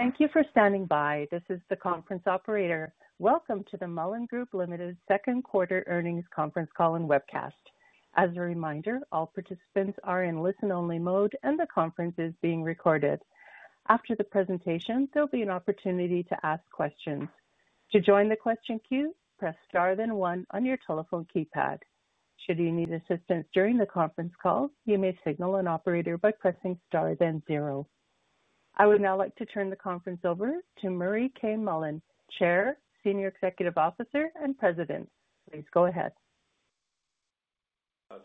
Thank you for standing by. This is the conference operator. Welcome to the Mullen Group Ltd second quarter earnings conference call and webcast. As a reminder, all participants are in listen-only mode, and the conference is being recorded. After the presentation, there will be an opportunity to ask questions. To join the question queue, press star, then one on your telephone keypad. Should you need assistance during the conference call, you may signal an operator by pressing star, then zero. I would now like to turn the conference over to Murray K. Mullen, Chair, Senior Executive Officer, and President. Please go ahead.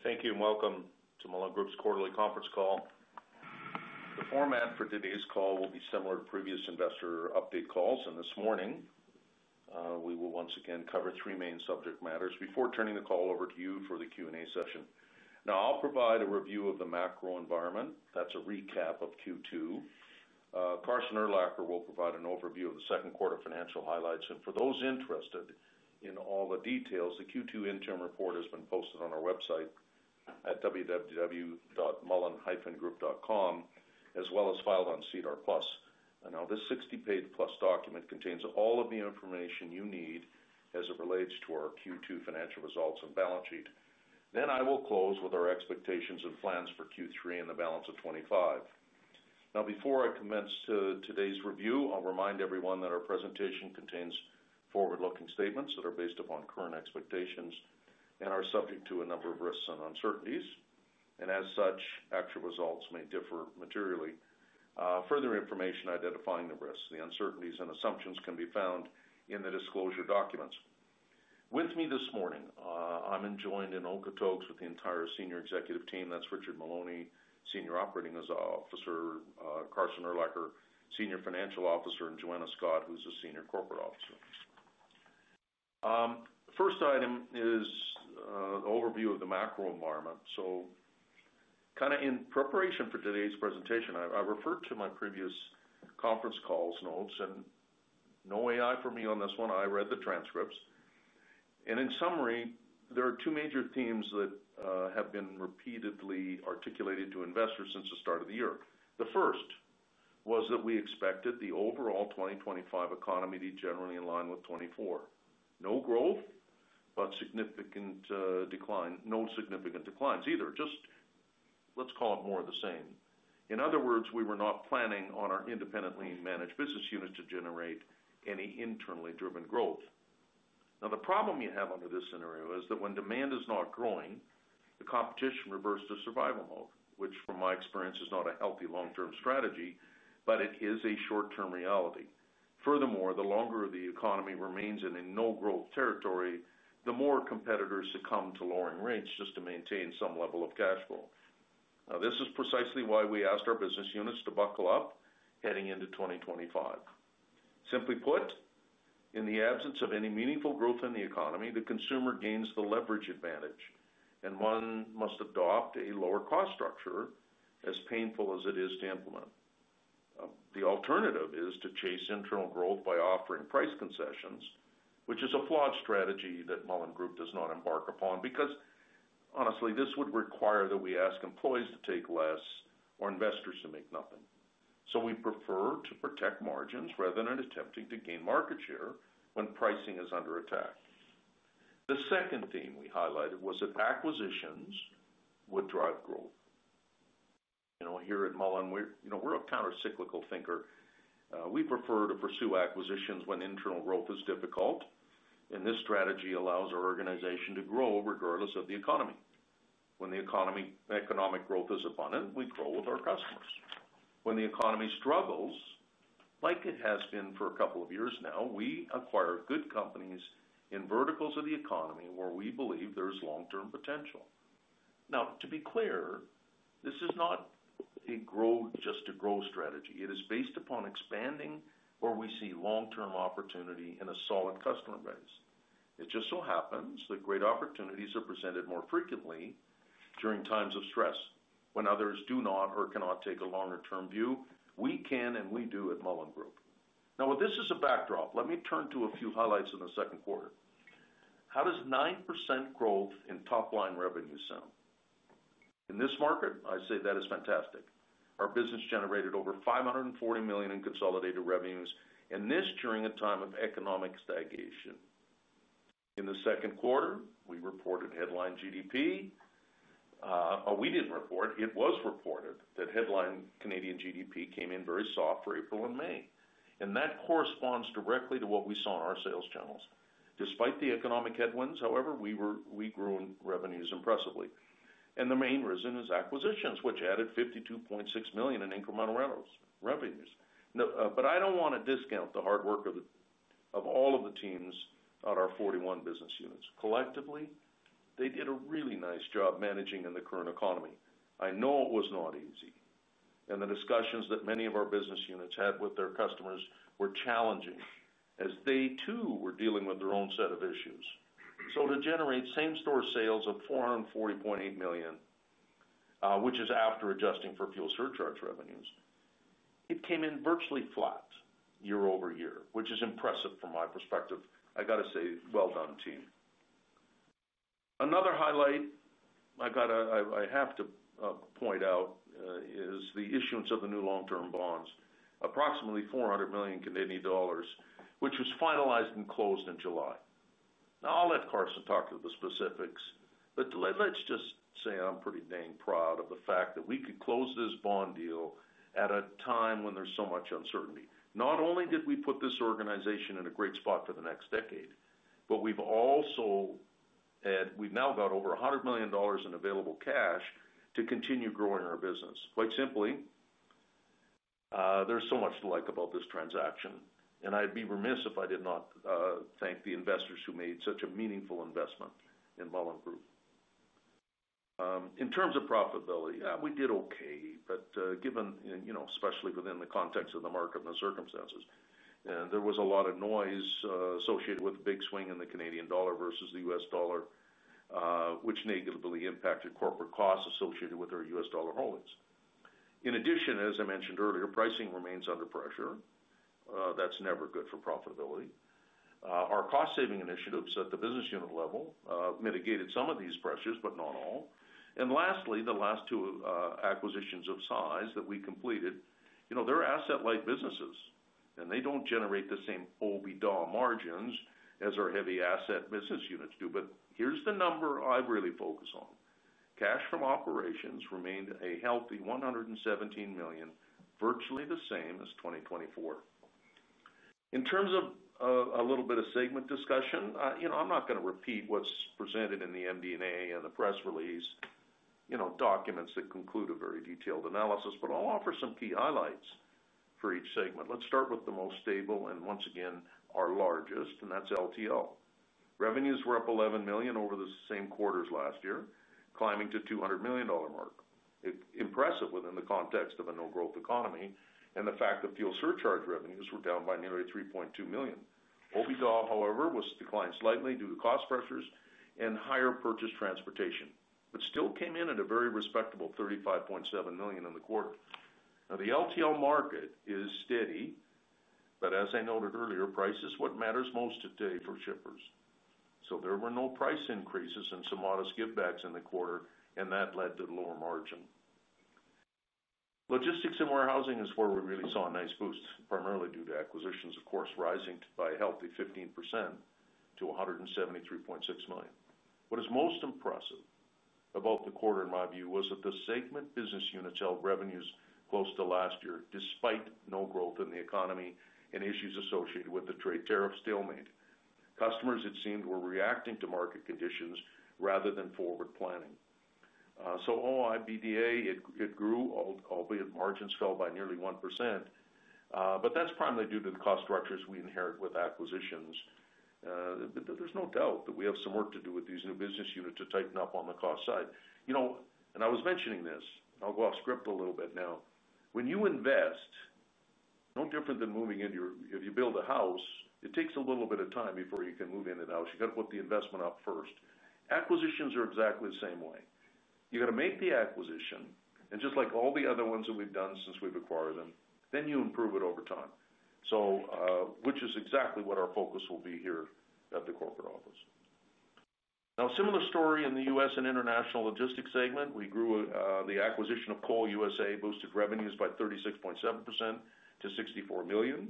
Thank you and welcome to Mullen Group's quarterly conference call. The format for today's call will be similar to previous investor update calls, and this morning we will once again cover three main subject matters before turning the call over to you for the Q&A session. Now, I'll provide a review of the macro environment. That's a recap of Q2. Carson Urlacher will provide an overview of the second quarter financial highlights, and for those interested in all the details, the Q2 interim report has been posted on our website at www.mullen-group.com, as well as filed on SEDAR+. This 60-page plus document contains all of the information you need as it relates to our Q2 financial results and balance sheet. I will close with our expectations and plans for Q3 and the balance of 2025. Before I commence today's review, I'll remind everyone that our presentation contains forward-looking statements that are based upon current expectations and are subject to a number of risks and uncertainties. As such, actual results may differ materially. Further information identifying the risks, the uncertainties, and assumptions can be found in the disclosure documents. With me this morning, I'm joined in Okotoks with the entire Senior Executive Team. That's Richard Maloney, Senior Operating Officer, Carson Urlacher, Senior Financial Officer, and Joanna Scott, who's a Senior Corporate Officer. The first item is an overview of the macro environment. In preparation for today's presentation, I referred to my previous conference call notes, and no AI for me on this one. I read the transcripts. In summary, there are two major themes that have been repeatedly articulated to investors since the start of the year. The first was that we expected the overall 2025 economy to be generally in line with 2024. No growth, but no significant declines either. Let's call it more of the same. In other words, we were not planning on our independently managed business units to generate any internally driven growth. The problem you have under this scenario is that when demand is not growing, the competition reverts to survival mode, which from my experience is not a healthy long-term strategy, but it is a short-term reality. Furthermore, the longer the economy remains in a no-growth territory, the more competitors succumb to lowering rates just to maintain some level of cash flow. Now, this is precisely why we asked our business units to buckle up heading into 2025. Simply put, in the absence of any meaningful growth in the economy, the consumer gains the leverage advantage, and one must adopt a lower cost structure, as painful as it is to implement. The alternative is to chase internal growth by offering price concessions, which is a flawed strategy that Mullen Group does not embark upon because honestly, this would require that we ask employees to take less or investors to make nothing. We prefer to protect margins rather than attempting to gain market share when pricing is under attack. The second theme we highlighted was that acquisitions would drive growth. Here at Mullen, we're a countercyclical thinker. We prefer to pursue acquisitions when internal growth is difficult, and this strategy allows our organization to grow regardless of the economy. When the economic growth is abundant, we grow with our customers. When the economy struggles, like it has been for a couple of years now, we acquire good companies in verticals of the economy where we believe there is long-term potential. To be clear, this is not a growth strategy. It is based upon expanding where we see long-term opportunity and a solid customer base. It just so happens that great opportunities are presented more frequently during times of stress. When others do not or cannot take a longer-term view, we can and we do at Mullen Group. With this as a backdrop, let me turn to a few highlights in the second quarter. How does 9% growth in top-line revenue sound? In this market, I say that is fantastic. Our business generated over 540 million in consolidated revenues, and this during a time of economic stagnation. In the second quarter, we reported headline GDP. We did not report. It was reported that headline Canadian GDP came in very soft for April and May. That corresponds directly to what we saw in our sales channels. Despite the economic headwinds, however, we grew in revenues impressively. The main reason is acquisitions, which added 52.6 million in incremental revenues. I do not want to discount the hard work of all of the teams at our 41 business units. Collectively, they did a really nice job managing in the current economy. I know it was not easy. The discussions that many of our business units had with their customers were challenging as they too were dealing with their own set of issues. To generate same-store sales of 440.8 million, which is after adjusting for fuel surcharge revenues, it came in virtually flat year-over-year, which is impressive from my perspective. I got to say, well done, team. Another highlight I have to point out is the issuance of the new long-term bonds, approximately 400 million Canadian dollars, which was finalized and closed in July. Now, I'll let Carson talk to the specifics, but let's just say I'm pretty dang proud of the fact that we could close this bond deal at a time when there's so much uncertainty. Not only did we put this organization in a great spot for the next decade, but we've also now got over $100 million in available cash to continue growing our business. Quite simply, there's so much to like about this transaction, and I'd be remiss if I did not thank the investors who made such a meaningful investment in Mullen Group. In terms of profitability, yeah, we did okay, but given, you know, especially within the context of the market and the circumstances, there was a lot of noise associated with the big swing in the Canadian dollar versus the U.S. dollar, which negatively impacted corporate costs associated with our U.S. dollar holdings. In addition, as I mentioned earlier, pricing remains under pressure. That's never good for profitability. Our cost-saving initiatives at the business unit level mitigated some of these pressures, but not all. Lastly, the last two acquisitions of size that we completed, you know, they're asset-light businesses, and they don't generate the same EBITDA margins as our heavy asset business units do. Here's the number I really focus on. Cash from operations remained a healthy $117 million, virtually the same as 2024. In terms of a little bit of segment discussion, I'm not going to repeat what's presented in the MD&A and the press release, documents that conclude a very detailed analysis, but I'll offer some key highlights for each segment. Let's start with the most stable, and once again, our largest, and that's LTL. Revenues were up $11 million over the same quarters last year, climbing to the $200 million mark. Impressive within the context of a no-growth economy and the fact that fuel surcharge revenues were down by nearly $3.2 million. EBITDA, however, declined slightly due to cost pressures and higher purchased transportation, but still came in at a very respectable $35.7 million in the quarter. Now, the LTL market is steady, but as I noted earlier, price is what matters most today for shippers. There were no price increases and some modest givebacks in the quarter, and that led to the lower margin. Logistics and warehousing is where we really saw a nice boost, primarily due to acquisitions, of course, rising by a healthy 15% to $173.6 million. What is most impressive about the quarter, in my view, was that the segment business units held revenues close to last year, despite no growth in the economy and issues associated with the trade tariff stalemate. Customers, it seemed, were reacting to market conditions rather than forward planning. OIBDA grew, albeit margins fell by nearly 1%, but that's primarily due to the cost structures we inherit with acquisitions. There's no doubt that we have some work to do with these new business units to tighten up on the cost side. I was mentioning this, I'll go off script a little bit now. When you invest, no different than moving in your, if you build a house, it takes a little bit of time before you can move in the house. You got to put the investment up first. Acquisitions are exactly the same way. You got to make the acquisition, and just like all the other ones that we've done since we've acquired them, then you improve it over time, which is exactly what our focus will be here at the Corporate Office. Now, a similar story in the U.S. and International Logistics segment. We grew the acquisition of Cole U.S.A., boosted revenues by 36.7% to $64 million.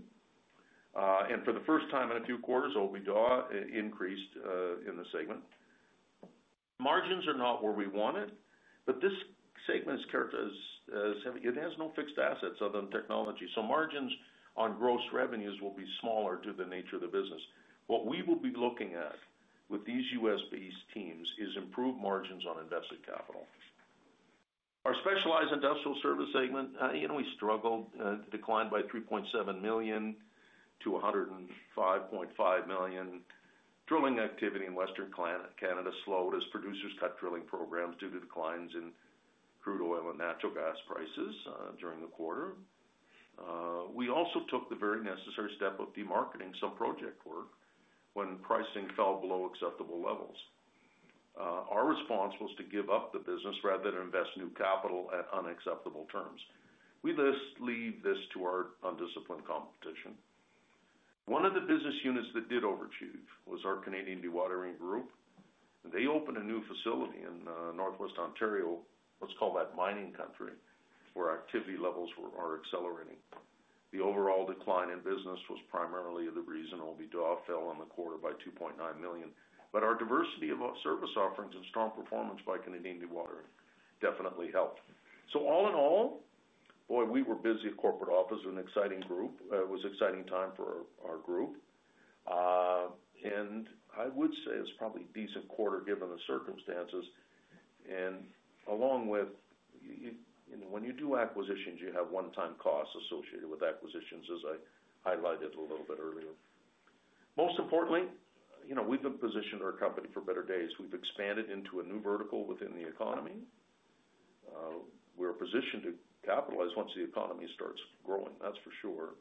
For the first time in a few quarters, OIBDA increased in the segment. Margins are not where we want it, but this segment is characterized as heavy. It has no fixed assets other than technology. Margins on gross revenues will be smaller due to the nature of the business. What we will be looking at with these U.S.-based teams is improved margins on invested capital. Our Specialized Industrial Service segment, we struggled to decline by $3.7 million to $105.5 million. Drilling activity in Western Canada slowed as producers cut drilling programs due to declines in crude oil and natural gas prices during the quarter. We also took the very necessary step of demarketing some project work when pricing fell below acceptable levels. Our response was to give up the business rather than invest new capital at unacceptable terms. We leave this to our undisciplined competition. One of the business units that did overachieve was our Canadian Dewatering Group. They opened a new facility in Northwest Ontario. Let's call that mining country where activity levels are accelerating. The overall decline in business was primarily the reason OIBDA fell in the quarter by $2.9 million. Our diversity of service offerings and strong performance by Canadian Dewatering definitely helped. All in all, we were busy at Corporate Office, an exciting group. It was an exciting time for our group. I would say it's probably a decent quarter given the circumstances. Along with, you know, when you do acquisitions, you have one-time costs associated with acquisitions, as I highlighted a little bit earlier. Most importantly, we've been positioned to our company for better days. We've expanded into a new vertical within the economy. We're positioned to capitalize once the economy starts growing, that's for sure.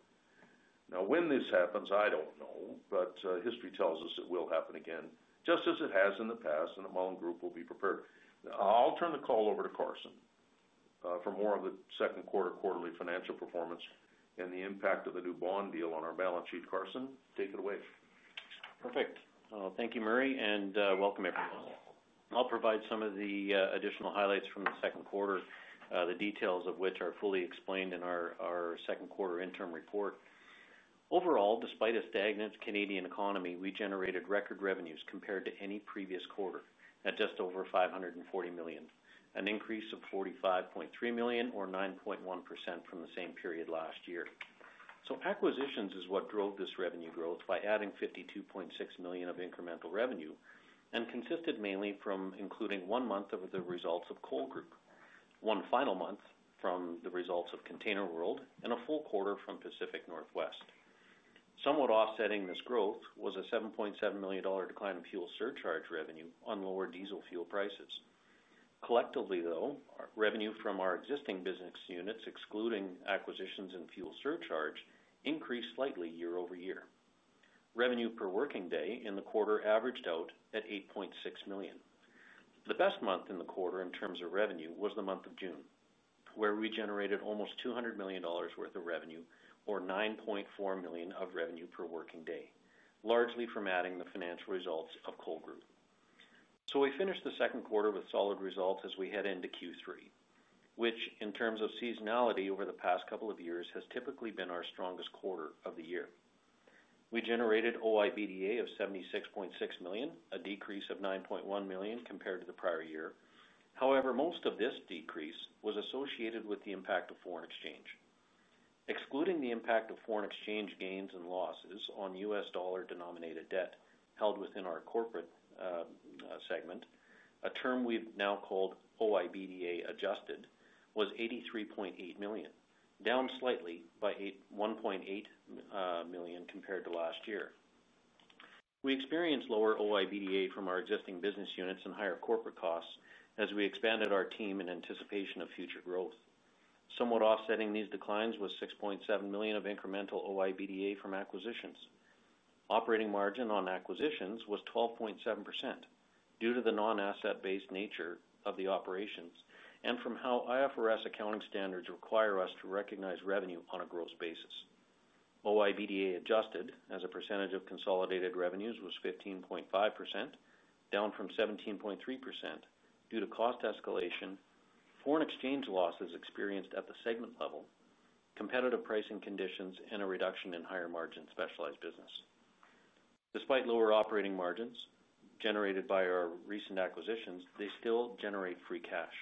Now, when this happens, I don't know, but history tells us it will happen again, just as it has in the past, and the Mullen Group will be prepared. I'll turn the call over to Carson for more of the second quarter quarterly financial performance and the impact of the new bond deal on our balance sheet. Carson, take it away. Perfect. Thank you, Murray, and welcome, everyone. I'll provide some of the additional highlights from the second quarter, the details of which are fully explained in our second quarter interim report. Overall, despite a stagnant Canadian economy, we generated record revenues compared to any previous quarter at just over $540 million, an increase of $45.3 million or 9.1% from the same period last year. Acquisitions is what drove this revenue growth by adding $52.6 million of incremental revenue and consisted mainly from including one month of the results of Cole Group, one final month from the results of ContainerWorld, and a full quarter from Pacific Northwest. Somewhat offsetting this growth was a $7.7 million decline in fuel surcharge revenue on lower diesel fuel prices. Collectively, though, revenue from our existing business units, excluding acquisitions and fuel surcharge, increased slightly year-over-year. Revenue per working day in the quarter averaged out at $8.6 million. The best month in the quarter in terms of revenue was the month of June, where we generated almost $200 million worth of revenue, or $9.4 million of revenue per working day, largely from adding the financial results of Cole Group. We finished the second quarter with solid results as we head into Q3, which, in terms of seasonality over the past couple of years, has typically been our strongest quarter of the year. We generated OIBDA of $76.6 million, a decrease of $9.1 million compared to the prior year. However, most of this decrease was associated with the impact of foreign exchange. Excluding the impact of foreign exchange gains and losses on U.S. dollar denominated debt held within our Corporate segment, a term we've now called OIBDA adjusted was $83.8 million, down slightly by $1.8 million compared to last year. We experienced lower OIBDA from our existing business units and higher corporate costs as we expanded our team in anticipation of future growth. Somewhat offsetting these declines was $6.7 million of incremental OIBDA from acquisitions. Operating margin on acquisitions was 12.7% due to the non-asset-based nature of the operations and from how IFRS accounting standards require us to recognize revenue on a gross basis. OIBDA adjusted as a percentage of consolidated revenues was 15.5%, down from 17.3% due to cost escalation, foreign exchange losses experienced at the segment level, competitive pricing conditions, and a reduction in higher margin specialized business. Despite lower operating margins generated by our recent acquisitions, they still generate free cash.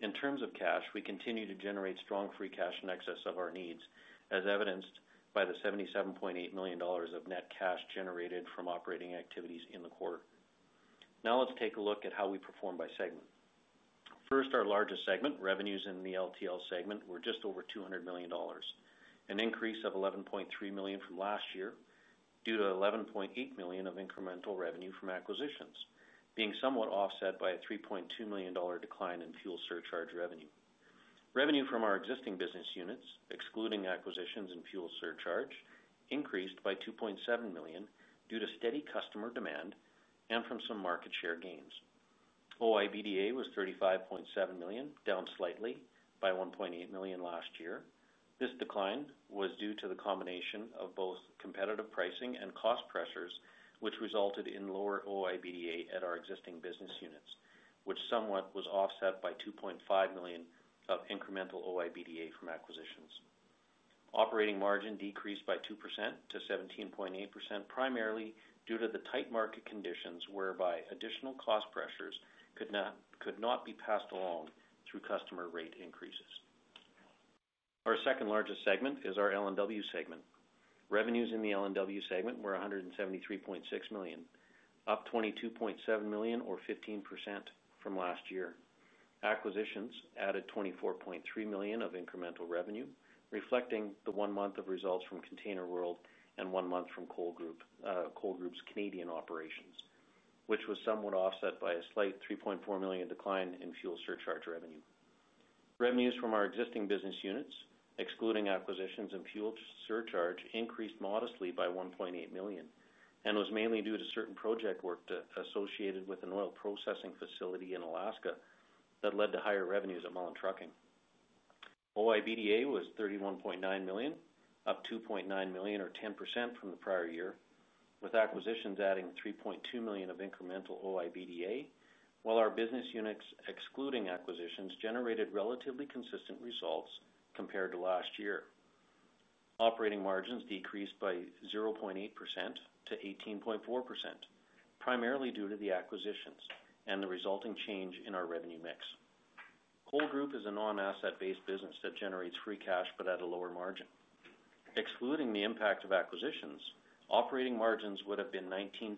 In terms of cash, we continue to generate strong free cash in excess of our needs, as evidenced by the $77.8 million of net cash generated from operating activities in the quarter. Now let's take a look at how we perform by segment. First, our largest segment, revenues in the less-than-truckload segment, were just over $200 million, an increase of $11.3 million from last year due to $11.8 million of incremental revenue from acquisitions, being somewhat offset by a $3.2 million decline in fuel surcharge revenue. Revenue from our existing business units, excluding acquisitions and fuel surcharge, increased by $2.7 million due to steady customer demand and from some market share gains. OIBDA was $35.7 million, down slightly by $1.8 million last year. This decline was due to the combination of both competitive pricing and cost pressures, which resulted in lower OIBDA at our existing business units, which somewhat was offset by $2.5 million of incremental OIBDA from acquisitions. Operating margin decreased by 2% to 17.8%, primarily due to the tight market conditions whereby additional cost pressures could not be passed along through customer rate increases. Our second largest segment is our L&W segment. Revenues in the L&W segment were $173.6 million, up $22.7 million or 15% from last year. Acquisitions added $24.3 million of incremental revenue, reflecting the one month of results from ContainerWorld and one month from Cole Group's Canadian operations, which was somewhat offset by a slight $3.4 million decline in fuel surcharge revenue. Revenues from our existing business units, excluding acquisitions and fuel surcharge, increased modestly by $1.8 million and was mainly due to certain project work associated with an oil processing facility in Alaska that led to higher revenues at Mullen Trucking. OIBDA was $31.9 million, up $2.9 million or 10% from the prior year, with acquisitions adding $3.2 million of incremental OIBDA, while our business units, excluding acquisitions, generated relatively consistent results compared to last year. Operating margins decreased by 0.8% to 18.4%, primarily due to the acquisitions and the resulting change in our revenue mix. Cole Group is a non-asset-based business that generates free cash but at a lower margin. Excluding the impact of acquisitions, operating margins would have been 19.2%,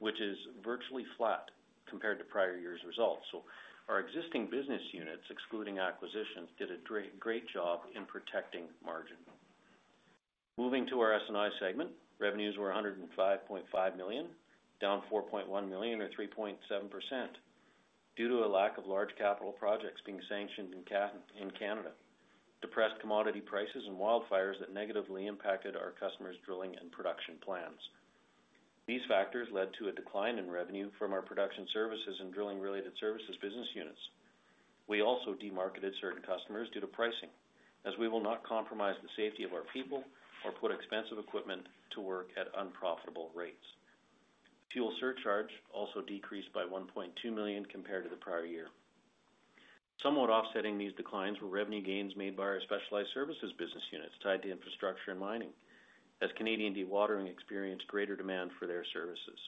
which is virtually flat compared to prior year's results. Our existing business units, excluding acquisitions, did a great job in protecting margin. Moving to our S&I segment, revenues were $105.5 million, down $4.1 million or 3.7% due to a lack of large capital projects being sanctioned in Canada, depressed commodity prices, and wildfires that negatively impacted our customers' drilling and production plans. These factors led to a decline in revenue from our production services and drilling-related services business units. We also demarketed certain customers due to pricing, as we will not compromise the safety of our people or put expensive equipment to work at unprofitable rates. Fuel surcharge also decreased by $1.2 million compared to the prior year. Somewhat offsetting these declines were revenue gains made by our specialized services business units tied to infrastructure and mining, as Canadian Dewatering experienced greater demand for their services.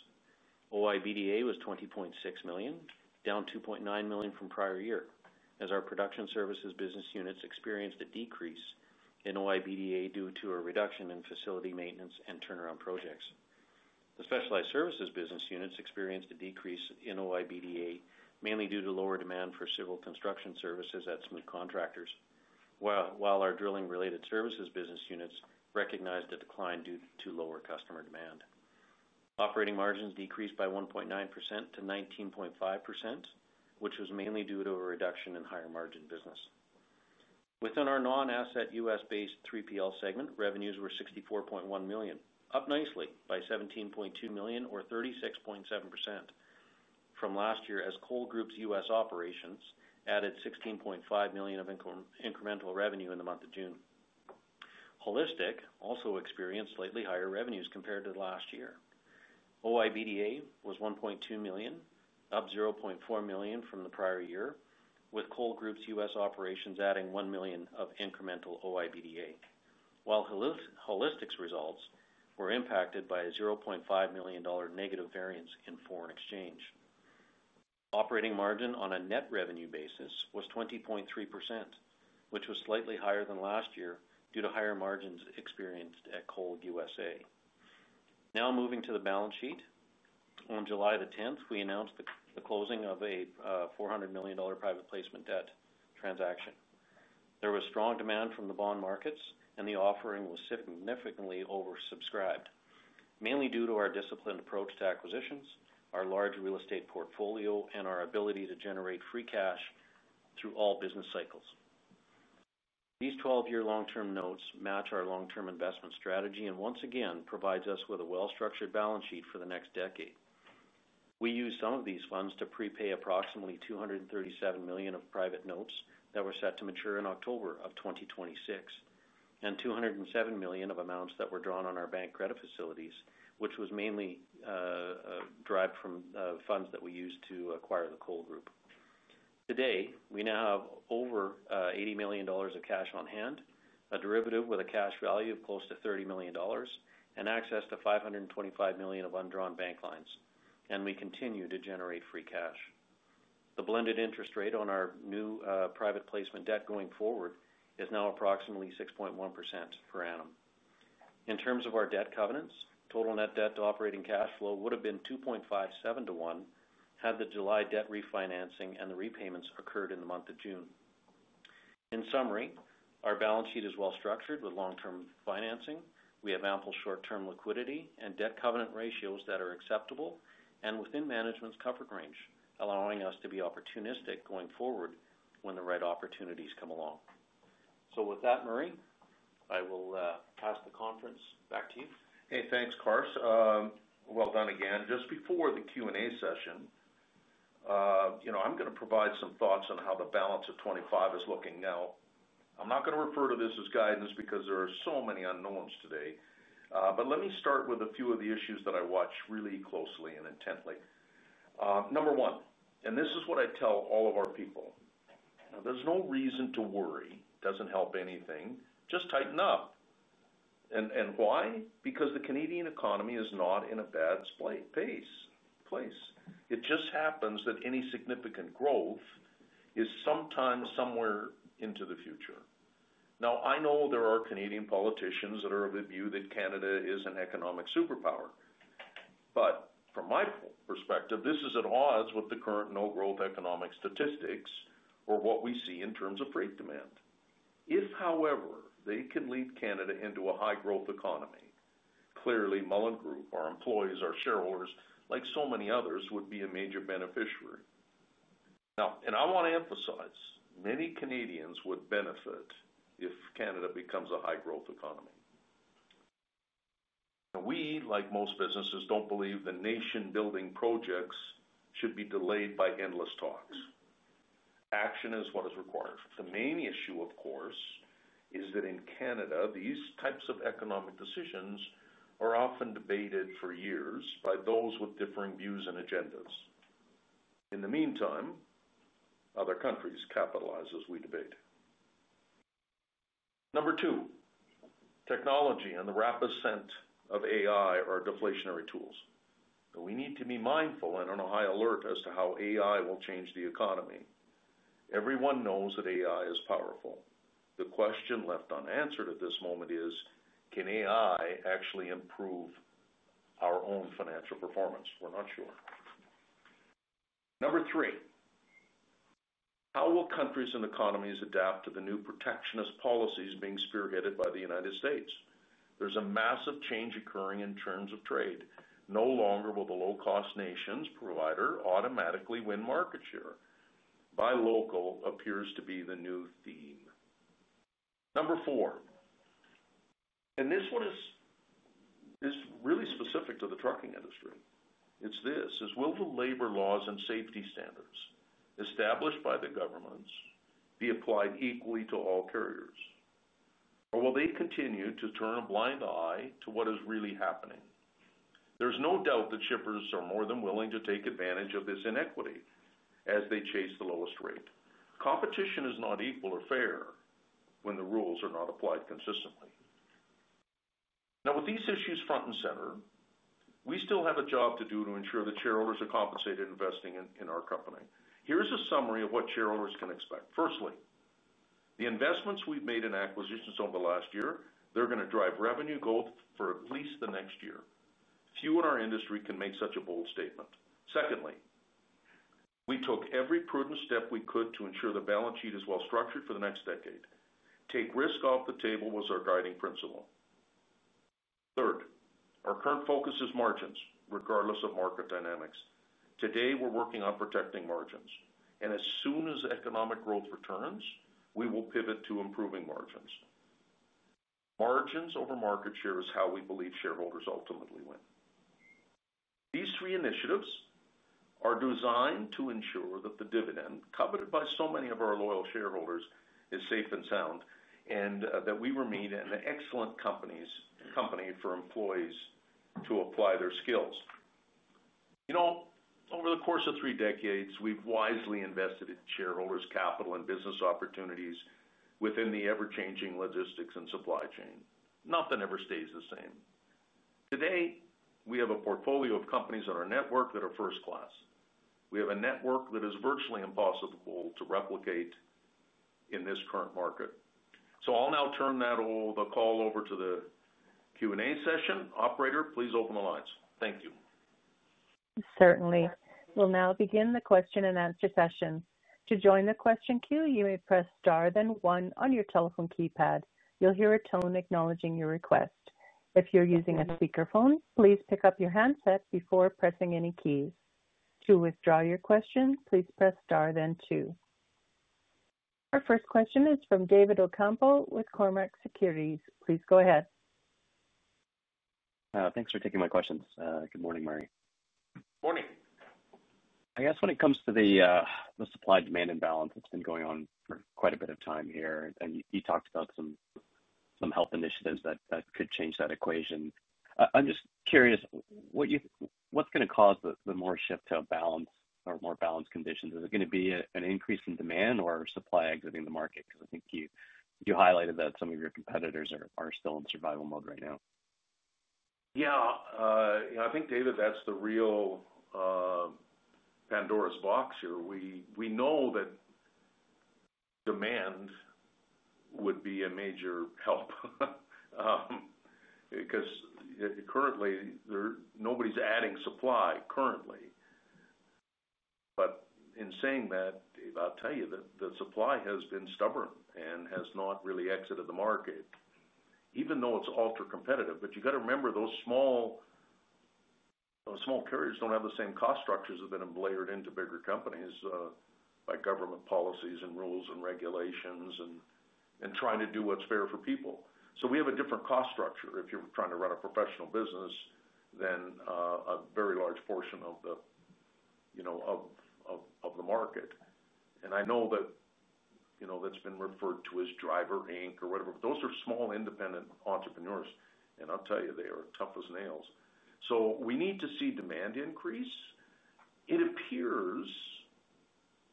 OIBDA was $20.6 million, down $2.9 million from prior year, as our production services business units experienced a decrease in OIBDA due to a reduction in facility maintenance and turnaround projects. The specialized services business units experienced a decrease in OIBDA, mainly due to lower demand for civil construction services at some contractors, while our drilling-related services business units recognized a decline due to lower customer demand. Operating margins decreased by 1.9% to 19.5%, which was mainly due to a reduction in higher margin business. Within our non-asset U.S.-based 3PL segment, revenues were $64.1 million, up nicely by $17.2 million or 36.7% from last year, as Cole Group's U.S. operations added $16.5 million of incremental revenue in the month of June. Holistic also experienced slightly higher revenues compared to last year. OIBDA was $1.2 million, up $0.4 million from the prior year, with Cole Group's U.S. operations adding $1 million of incremental OIBDA, while Holistic's results were impacted by a $0.5 million negative variance in foreign exchange. Operating margin on a net revenue basis was 20.3%, which was slightly higher than last year due to higher margins experienced at Cole U.S.A. Now moving to the balance sheet, on July 10, we announced the closing of a $400 million private placement debt transaction. There was strong demand from the bond markets, and the offering was significantly oversubscribed, mainly due to our disciplined approach to acquisitions, our large real estate portfolio, and our ability to generate free cash through all business cycles. These 12-year long-term notes match our long-term investment strategy and once again provide us with a well-structured balance sheet for the next decade. We used some of these funds to prepay approximately $237 million of private notes that were set to mature in October of 2026, and $207 million of amounts that were drawn on our bank credit facilities, which was mainly derived from funds that we used to acquire the Cole Group. Today, we now have over $80 million of cash on hand, a derivative with a cash value of close to $30 million, and access to $525 million of undrawn bank lines, and we continue to generate free cash. The blended interest rate on our new private placement debt going forward is now approximately 6.1% per annum. In terms of our debt covenants, total net debt to operating cash flow would have been $2.57-1% had the July debt refinancing and the repayments occurred in the month of June. In summary, our balance sheet is well structured with long-term financing. We have ample short-term liquidity and debt covenant ratios that are acceptable and within management's comfort range, allowing us to be opportunistic going forward when the right opportunities come along. With that Murray, I will pass the conference back to you. Hey, thanks, Carson. Well done again. Just before the Q&A session, you know, I'm going to provide some thoughts on how the balance of 2025 is looking now. I'm not going to refer to this as guidance because there are so many unknowns today. Let me start with a few of the issues that I watch really closely and intently. Number one, and this is what I tell all of our people, now there's no reason to worry. It doesn't help anything. Just tighten up. Why? Because the Canadian economy is not in a bad place. It just happens that any significant growth is sometimes somewhere into the future. I know there are Canadian politicians that are of the view that Canada is an economic superpower. From my perspective, this is at odds with the current no-growth economic statistics or what we see in terms of freight demand. If, however, they can lead Canada into a high-growth economy, clearly Mullen Group, our employees, our shareholders, like so many others, would be a major beneficiary. I want to emphasize, many Canadians would benefit if Canada becomes a high-growth economy. We, like most businesses, don't believe that nation-building projects should be delayed by endless talks. Action is what is required. The main issue, of course, is that in Canada, these types of economic decisions are often debated for years by those with differing views and agendas. In the meantime, other countries capitalize as we debate. Number two, technology and the rapid ascent of AI are deflationary tools. We need to be mindful and on high alert as to how AI will change the economy. Everyone knows that AI is powerful. The question left unanswered at this moment is, can AI actually improve our own financial performance? We're not sure. Number three, how will countries and economies adapt to the new protectionist policies being spearheaded by the United States? There's a massive change occurring in terms of trade. No longer will the low-cost nations provider automatically win market share. Buy local appears to be the new theme. Number four, and this one is really specific to the trucking industry. It's this, will the labor laws and safety standards established by the governments be applied equally to all carriers? Or will they continue to turn a blind eye to what is really happening? There's no doubt that shippers are more than willing to take advantage of this inequity as they chase the lowest rate. Competition is not equal or fair when the rules are not applied consistently. Now, with these issues front and center, we still have a job to do to ensure that shareholders are compensated investing in our company. Here's a summary of what shareholders can expect. Firstly, the investments we've made in acquisitions over the last year, they're going to drive revenue growth for at least the next year. Few in our industry can make such a bold statement. Secondly, we took every prudent step we could to ensure the balance sheet is well structured for the next decade. Take risk off the table was our guiding principle. Third, our current focus is margins, regardless of market dynamics. Today, we're working on protecting margins. As soon as economic growth returns, we will pivot to improving margins. Margins over market share is how we believe shareholders ultimately win. These three initiatives are designed to ensure that the dividend, coveted by so many of our loyal shareholders, is safe and sound, and that we remain an excellent company for employees to apply their skills. You know, over the course of three decades, we've wisely invested in shareholders' capital and business opportunities within the ever-changing logistics and supply chain. Nothing ever stays the same. Today, we have a portfolio of companies in our network that are first-class. We have a network that is virtually impossible to replicate in this current market. I'll now turn the call over to the Q&A session. Operator, please open the lines. Thank you. Certainly. We'll now begin the question-and-answer session. To join the question queue, you may press star then one on your telephone keypad. You'll hear a tone acknowledging your request. If you're using a speakerphone, please pick up your handset before pressing any key. To withdraw your question, please press star then two. Our first question is from David Ocampo with Cormark Securities. Please go ahead. Thanks for taking my questions. Good morning, Murray. Morning. I guess when it comes to the supply-demand imbalance, it's been going on for quite a bit of time here, and you talked about some health initiatives that could change that equation. I'm just curious, what's going to cause the more shift to a balance or more balanced conditions? Is it going to be an increase in demand or supply exiting the market? I think you highlighted that some of your competitors are still in survival mode right now. Yeah, you know, I think, David, that's the real Pandora's box here. We know that demand would be a major help because currently nobody's adding supply. In saying that, I'll tell you that the supply has been stubborn and has not really exited the market, even though it's ultra-competitive. You got to remember those small carriers don't have the same cost structures that have been layered into bigger companies by government policies and rules and regulations and trying to do what's fair for people. We have a different cost structure if you're trying to run a professional business than a very large portion of the market. I know that, you know, that's been referred to as Driver Inc or whatever, but those are small independent entrepreneurs. I'll tell you, they are tough as nails. We need to see demand increase. It appears,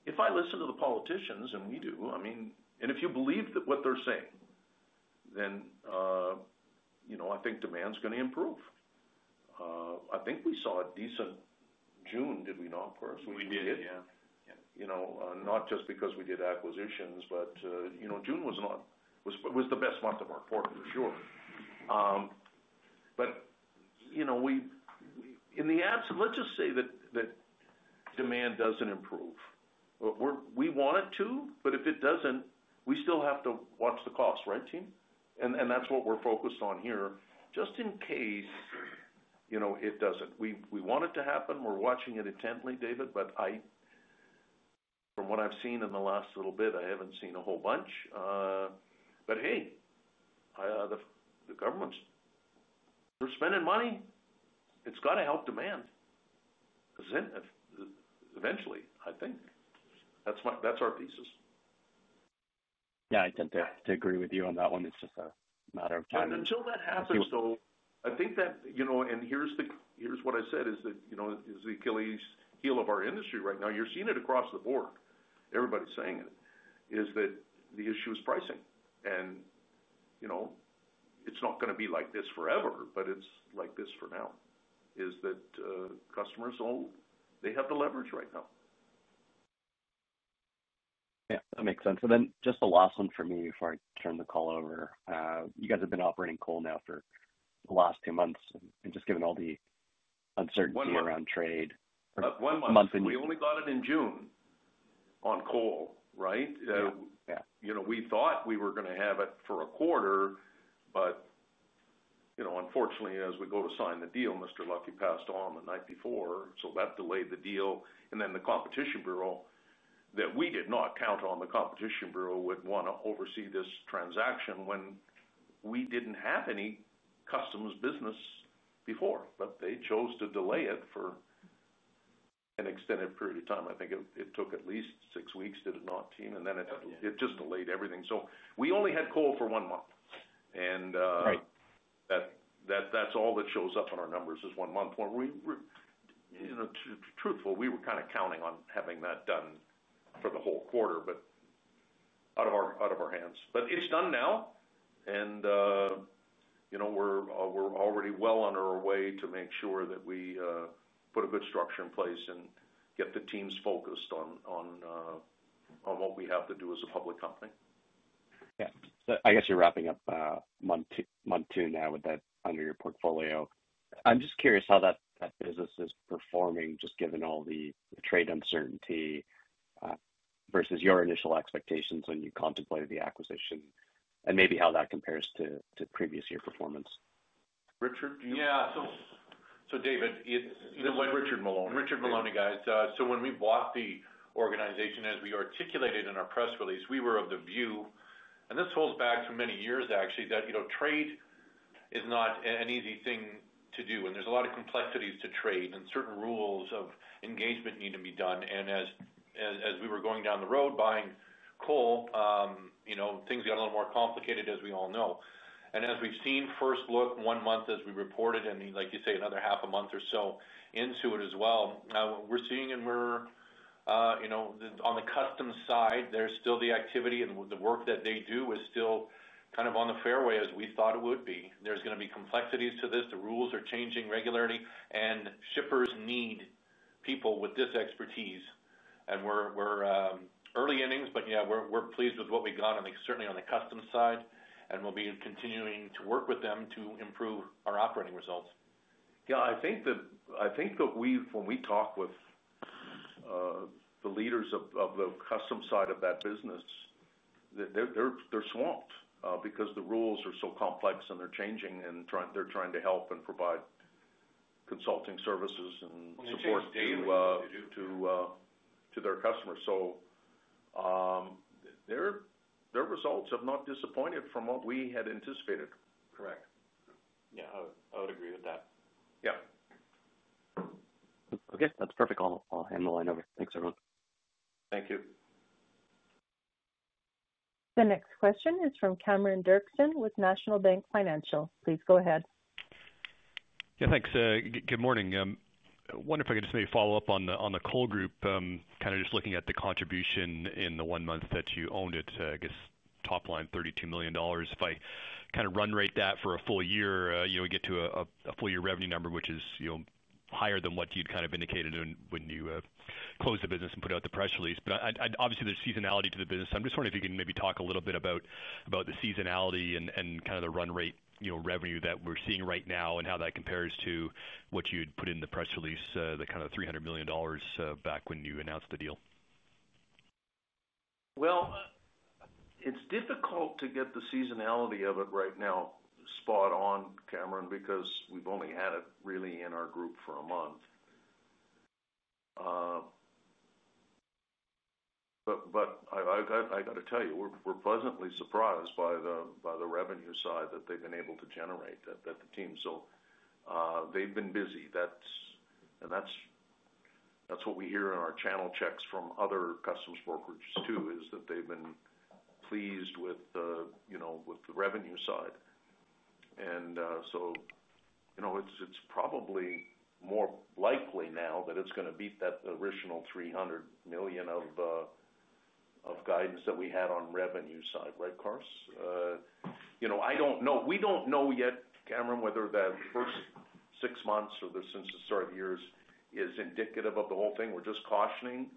if I listen to the politicians, and we do, I mean, and if you believe what they're saying, then you know I think demand's going to improve. I think we saw a decent June, did we not, Carson? We did. Yeah, you know, not just because we did acquisitions, but June was the best month of our quarter, for sure. In the absence, let's just say that demand doesn't improve. We want it to, but if it doesn't, we still have to watch the cost, right, team? That's what we're focused on here, just in case it doesn't. We want it to happen. We're watching it intently, David, but from what I've seen in the last little bit, I haven't seen a whole bunch. The governments, they're spending money. It's got to help demand. Eventually, I think that's our thesis. Yeah, I tend to agree with you on that one. It's just a matter of time. Until that happens, I think that, you know, and here's what I said is that, you know, is the Achilles' heel of our industry right now. You're seeing it across the board. Everybody's saying it is that the issue is pricing. It's not going to be like this forever, but it's like this for now, is that customers all, they have the leverage right now. Yeah, that makes sense. Just the last one for me before I turn the call over. You guys have been operating Cole now for the last two months, just given all the uncertainty around trade. One month. We only got it in June on Cole, right? You know, we thought we were going to have it for a quarter, but unfortunately, as we go to sign the deal, Mr. Lucky passed on the night before. That delayed the deal. The Competition Bureau, that we did not count on, the Competition Bureau would want to oversee this transaction when we did not have any customs brokerage business before. They chose to delay it for an extended period of time. I think it took at least six weeks, did it not, team? It just delayed everything. We only had Cole for one month, and that's all that shows up in our numbers is one month. Truthfully, we were kind of counting on having that done for the whole quarter, but it was out of our hands. It is done now, and you know, we're already well on our way to make sure that we put a good structure in place and get the teams focused on what we have to do as a public company. Yeah, I guess you're wrapping up month two now with that under your portfolio. I'm just curious how that business is performing, given all the trade uncertainty versus your initial expectations when you contemplated the acquisition and maybe how that compares to previous year performance. Richard? Yeah. David, it's... Richard Maloney. Richard Maloney guys. When we bought the organization, as we articulated in our press release, we were of the view, and this holds back for many years, actually, that trade is not an easy thing to do. There are a lot of complexities to trade, and certain rules of engagement need to be done. As we were going down the road buying Cole, things got a little more complicated, as we all know. As we've seen, first look, one month as we reported, and like you say, another half a month or so into it as well. Now, what we're seeing, on the customs side, there's still the activity, and the work that they do is still kind of on the fairway as we thought it would be. There are going to be complexities to this. The rules are changing regularly, and shippers need people with this expertise. We're early innings, but yeah, we're pleased with what we got, certainly on the customs side, and we'll be continuing to work with them to improve our operating results. I think that when we talk with the leaders of the customs side of that business, they're swamped because the rules are so complex and they're changing, and they're trying to help and provide consulting services and support to their customers. Their results have not disappointed from what we had anticipated. Correct. Yeah, I would agree with that. Yeah. Okay, that's perfect. I'll hand the line over. Thanks, everyone. Thank you. The next question is from Cameron Doerksen with National Bank Financial. Please go ahead. Yeah, thanks. Good morning. I wonder if I could just maybe follow up on the Cole Group, kind of just looking at the contribution in the one month that you owned it, I guess top line $32 million. If I kind of run rate that for a full year, you know, we get to a full year revenue number, which is, you know, higher than what you'd kind of indicated when you closed the business and put out the press release. Obviously, there's seasonality to the business. I'm just wondering if you can maybe talk a little bit about the seasonality and kind of the run rate revenue that we're seeing right now and how that compares to what you'd put in the press release, the kind of $300 million back when you announced the deal. It's difficult to get the seasonality of it right now spot on, Cameron, because we've only had it really in our group for a month. I got to tell you, we're pleasantly surprised by the revenue side that they've been able to generate, that the team. They've been busy. That's what we hear in our channel checks from other customs brokerage too, is that they've been pleased with the revenue side. It's probably more likely now that it's going to beat that original $300 million of guidance that we had on revenue side. Carson, I don't know. We don't know yet, Cameron, whether that first six months or since the start of the year is indicative of the whole thing. We're just cautioning,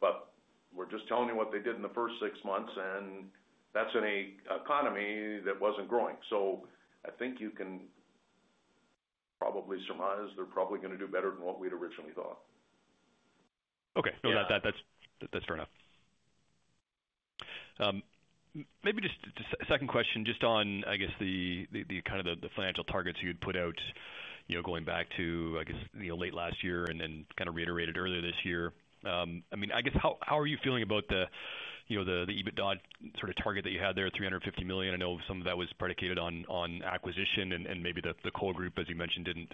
but we're just telling you what they did in the first six months, and that's in an economy that wasn't growing. I think you can probably surmise they're probably going to do better than what we'd originally thought. Okay, that's fair enough. Maybe just a second question, just on the kind of financial targets you'd put out, going back to late last year and then reiterated earlier this year. I mean, how are you feeling about the EBITDA target that you had there, $350 million? I know some of that was predicated on acquisition and maybe the Cole Group, as you mentioned, didn't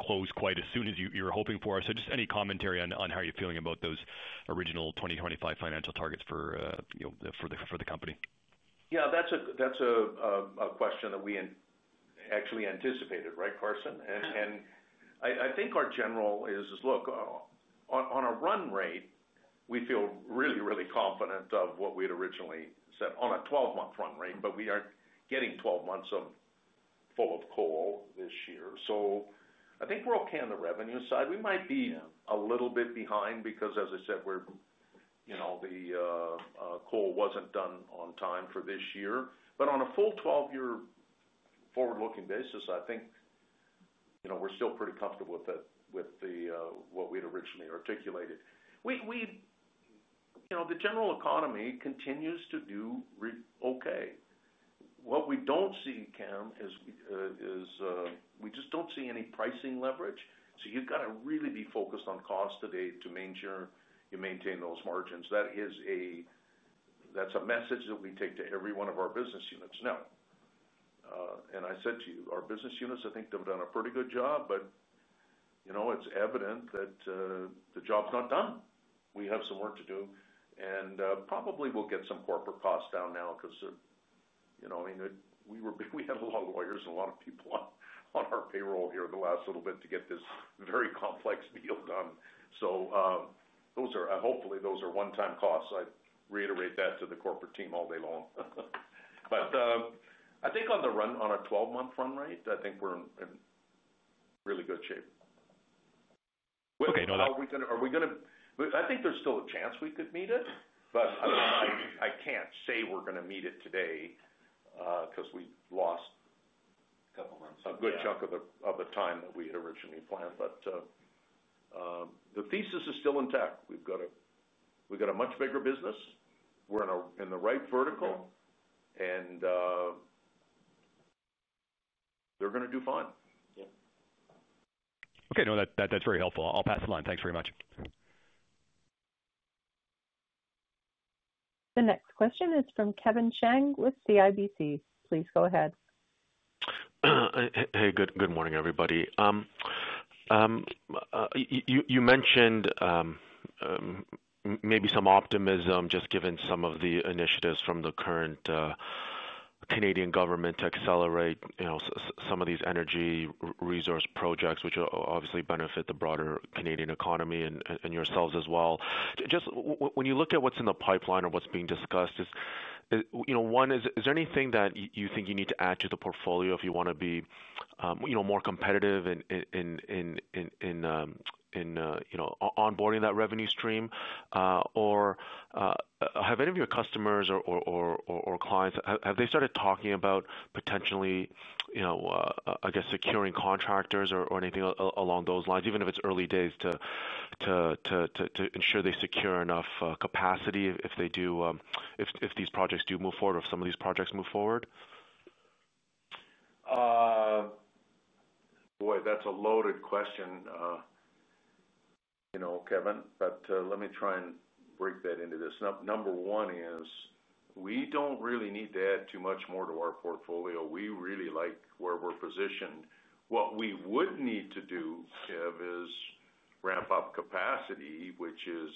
close quite as soon as you were hoping for. Any commentary on how you're feeling about those original 2025 financial targets for the company? Yeah, that's a question that we actually anticipated, right, Carson? I think our general is, look, on a run rate, we feel really, really confident of what we had originally set on a 12-month run rate, but we are getting 12 months full of Cole this year. I think we're okay on the revenue side. We might be a little bit behind because, as I said, the Cole wasn't done on time for this year. On a full 12-month forward-looking basis, I think we're still pretty comfortable with what we had originally articulated. The general economy continues to do okay. What we don't see, Cam, is we just don't see any pricing leverage. You've got to really be focused on cost today to maintain those margins. That's a message that we take to every one of our business units now. I said to you, our business units, I think they've done a pretty good job, but it's evident that the job's not done. We have some work to do, and probably we'll get some corporate costs down now because we had a lot of lawyers and a lot of people on our payroll here the last little bit to get this very complex deal done. Hopefully, those are one-time costs. I'd reiterate that to the corporate team all day long. I think on a 12-month run rate, I think we're in really good shape. Okay. I think there's still a chance we could meet it, but I can't say we're going to meet it today because we lost a good chunk of the time that we had originally planned. The thesis is still intact. We've got a much bigger business. We're in the right vertical, and they're going to do fine. Yeah, okay. No, that's very helpful. I'll pass the line. Thanks very much. The next question is from Kevin Chiang with CIBC. Please go ahead. Hey, good morning, everybody. You mentioned maybe some optimism just given some of the initiatives from the current Canadian government to accelerate, you know, some of these energy resource projects, which obviously benefit the broader Canadian economy and yourselves as well. Just when you look at what's in the pipeline or what's being discussed, one, is there anything that you think you need to add to the portfolio if you want to be more competitive in onboarding that revenue stream? Or have any of your customers or clients, have they started talking about potentially, I guess, securing contractors or anything along those lines, even if it's early days to ensure they secure enough capacity if they do, if these projects do move forward, or if some of these projects move forward? Boy, that's a loaded question, you know, Kevin, but let me try and break that into this. Number one is we don't really need to add too much more to our portfolio. We really like where we're positioned. What we would need to do, Kev, is ramp up capacity, which is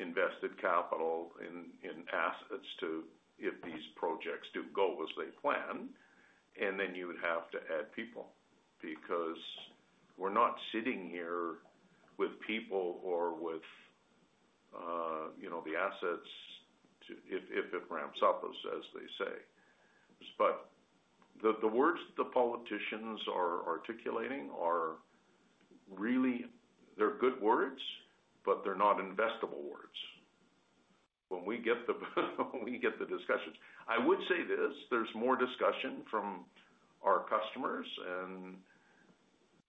invested capital in assets if these projects do go as they plan. You would have to add people because we're not sitting here with people or with, you know, the assets if it ramps up, as they say. The words that the politicians are articulating are really, they're good words, but they're not investable words. When we get the discussions, I would say this, there's more discussion from our customers and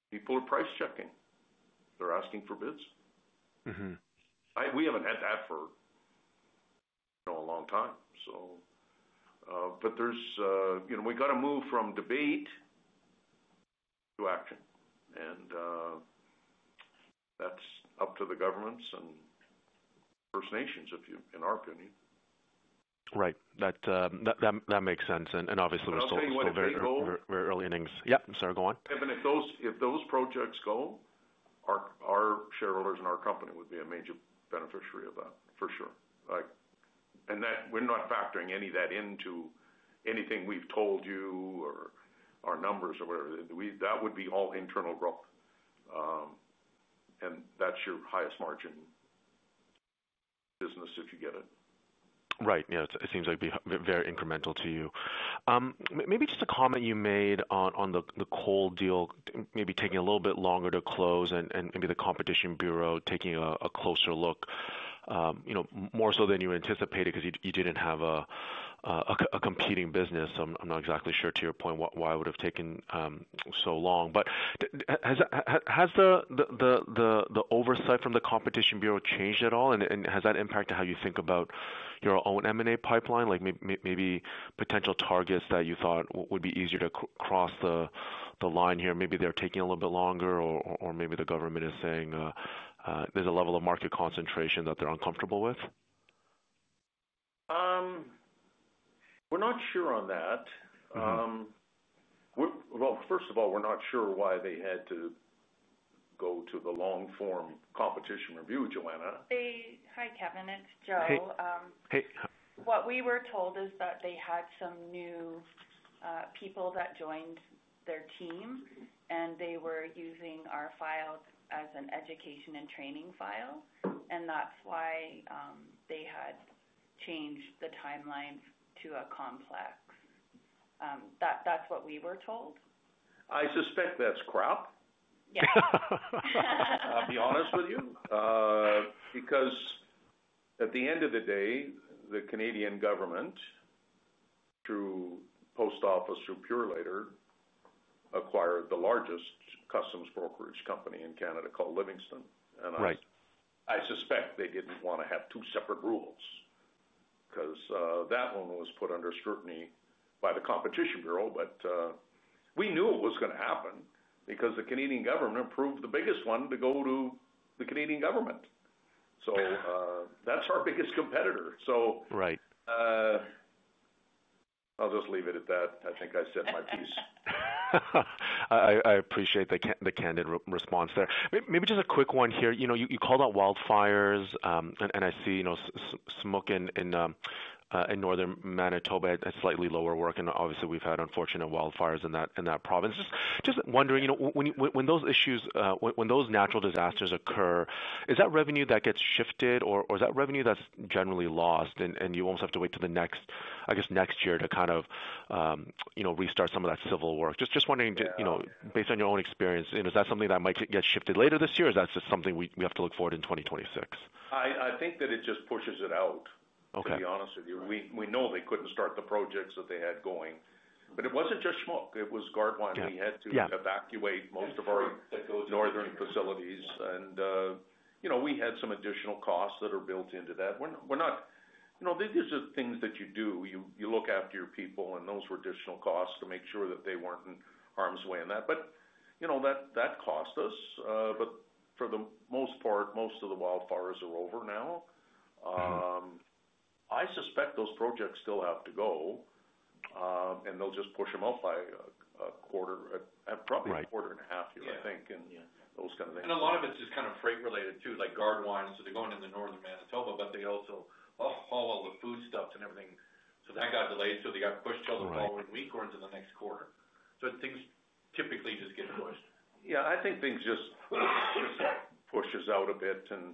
people are price checking. They're asking for bids. We haven't had that for a long time. We got to move from debate to action. That's up to the governments and First Nations, in our opinion. Right. That makes sense. Obviously, we're still very early innings. Sorry, go on. Kevin, if those projects go, our shareholders in our company would be a major beneficiary of that, for sure. We're not factoring any of that into anything we've told you or our numbers or whatever. That would be all internal growth. That's your highest margin business if you get it. Right. Yeah, it seems like it'd be very incremental to you. Maybe just a comment you made on the Cole deal, maybe taking a little bit longer to close and maybe the Competition Bureau taking a closer look, more so than you anticipated because you didn't have a competing business. I'm not exactly sure to your point why it would have taken so long. Has the oversight from the Competition Bureau changed at all? Has that impacted how you think about your own M&A pipeline? Like maybe potential targets that you thought would be easier to cross the line here, maybe they're taking a little bit longer or maybe the government is saying there's a level of market concentration that they're uncomfortable with? We're not sure on that. First of all, we're not sure why they had to go to the long-form competition review, Joanna. Hi, Kevin. It's Joanna. Hey. What we were told is that they had some new people that joined their team, and they were using our file as an education and training file. That is why they had changed the timeline to a complex. That is what we were told. I suspect that's crap. Yeah. I'll be honest with you. At the end of the day, the Canadian government, through the post office, through Purolator, acquired the largest customs brokerage company in Canada called Livingston. I suspect they didn't want to have two separate rules because that one was put under scrutiny by the Competition Bureau. We knew it was going to happen because the Canadian government approved the biggest one to go to the Canadian government. That's our biggest competitor. I'll just leave it at that. I think I said my piece. I appreciate the candid response there. Maybe just a quick one here. You know, you called on wildfires. I see smoke in Northern Manitoba, a slightly lower work. Obviously, we've had unfortunate wildfires in that province. Just wondering, when those issues, when those natural disasters occur, is that revenue that gets shifted or is that revenue that's generally lost and you almost have to wait to the next, I guess, next year to kind of restart some of that civil work? Just wondering, based on your own experience, is that something that might get shifted later this year or is that just something we have to look forward to in 2026? I think that it just pushes it out, to be honest with you. We know they couldn't start the projects that they had going. It wasn't just Smook. It was Gardewine. We had to evacuate most of our Northern facilities. You know, we had some additional costs that are built into that. These are things that you do. You look after your people, and those were additional costs to make sure that they weren't in harm's way in that. That cost us. For the most part, most of the wildfires are over now. I suspect those projects still have to go. They'll just push them off by a quarter, probably a quarter and a half here, I think, and those kinds of things. A lot of it is kind of freight-related too, like Gardewine. They're going into Northern Manitoba, but they also, oh, all the food stuff and everything. That got delayed. They got pushed until the following week or into the next quarter. Things typically just get pushed. Yeah, I think things just push us out a bit and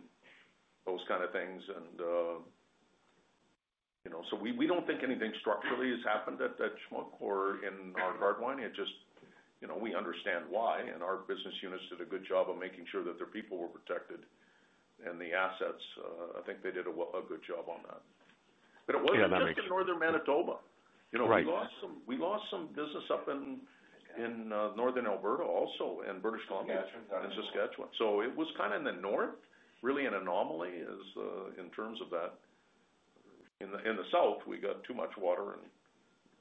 those kinds of things. You know, we don't think anything structurally has happened at that smoke or in our Gardwine. It just, you know, we understand why. Our business units did a good job of making sure that their people were protected and the assets. I think they did a good job on that. It wasn't just in Northern Manitoba. We lost some business up in Northern Alberta also and British Columbia too, and Saskatchewan. It was kind of in the north, really an anomaly in terms of that. In the south, we got too much water and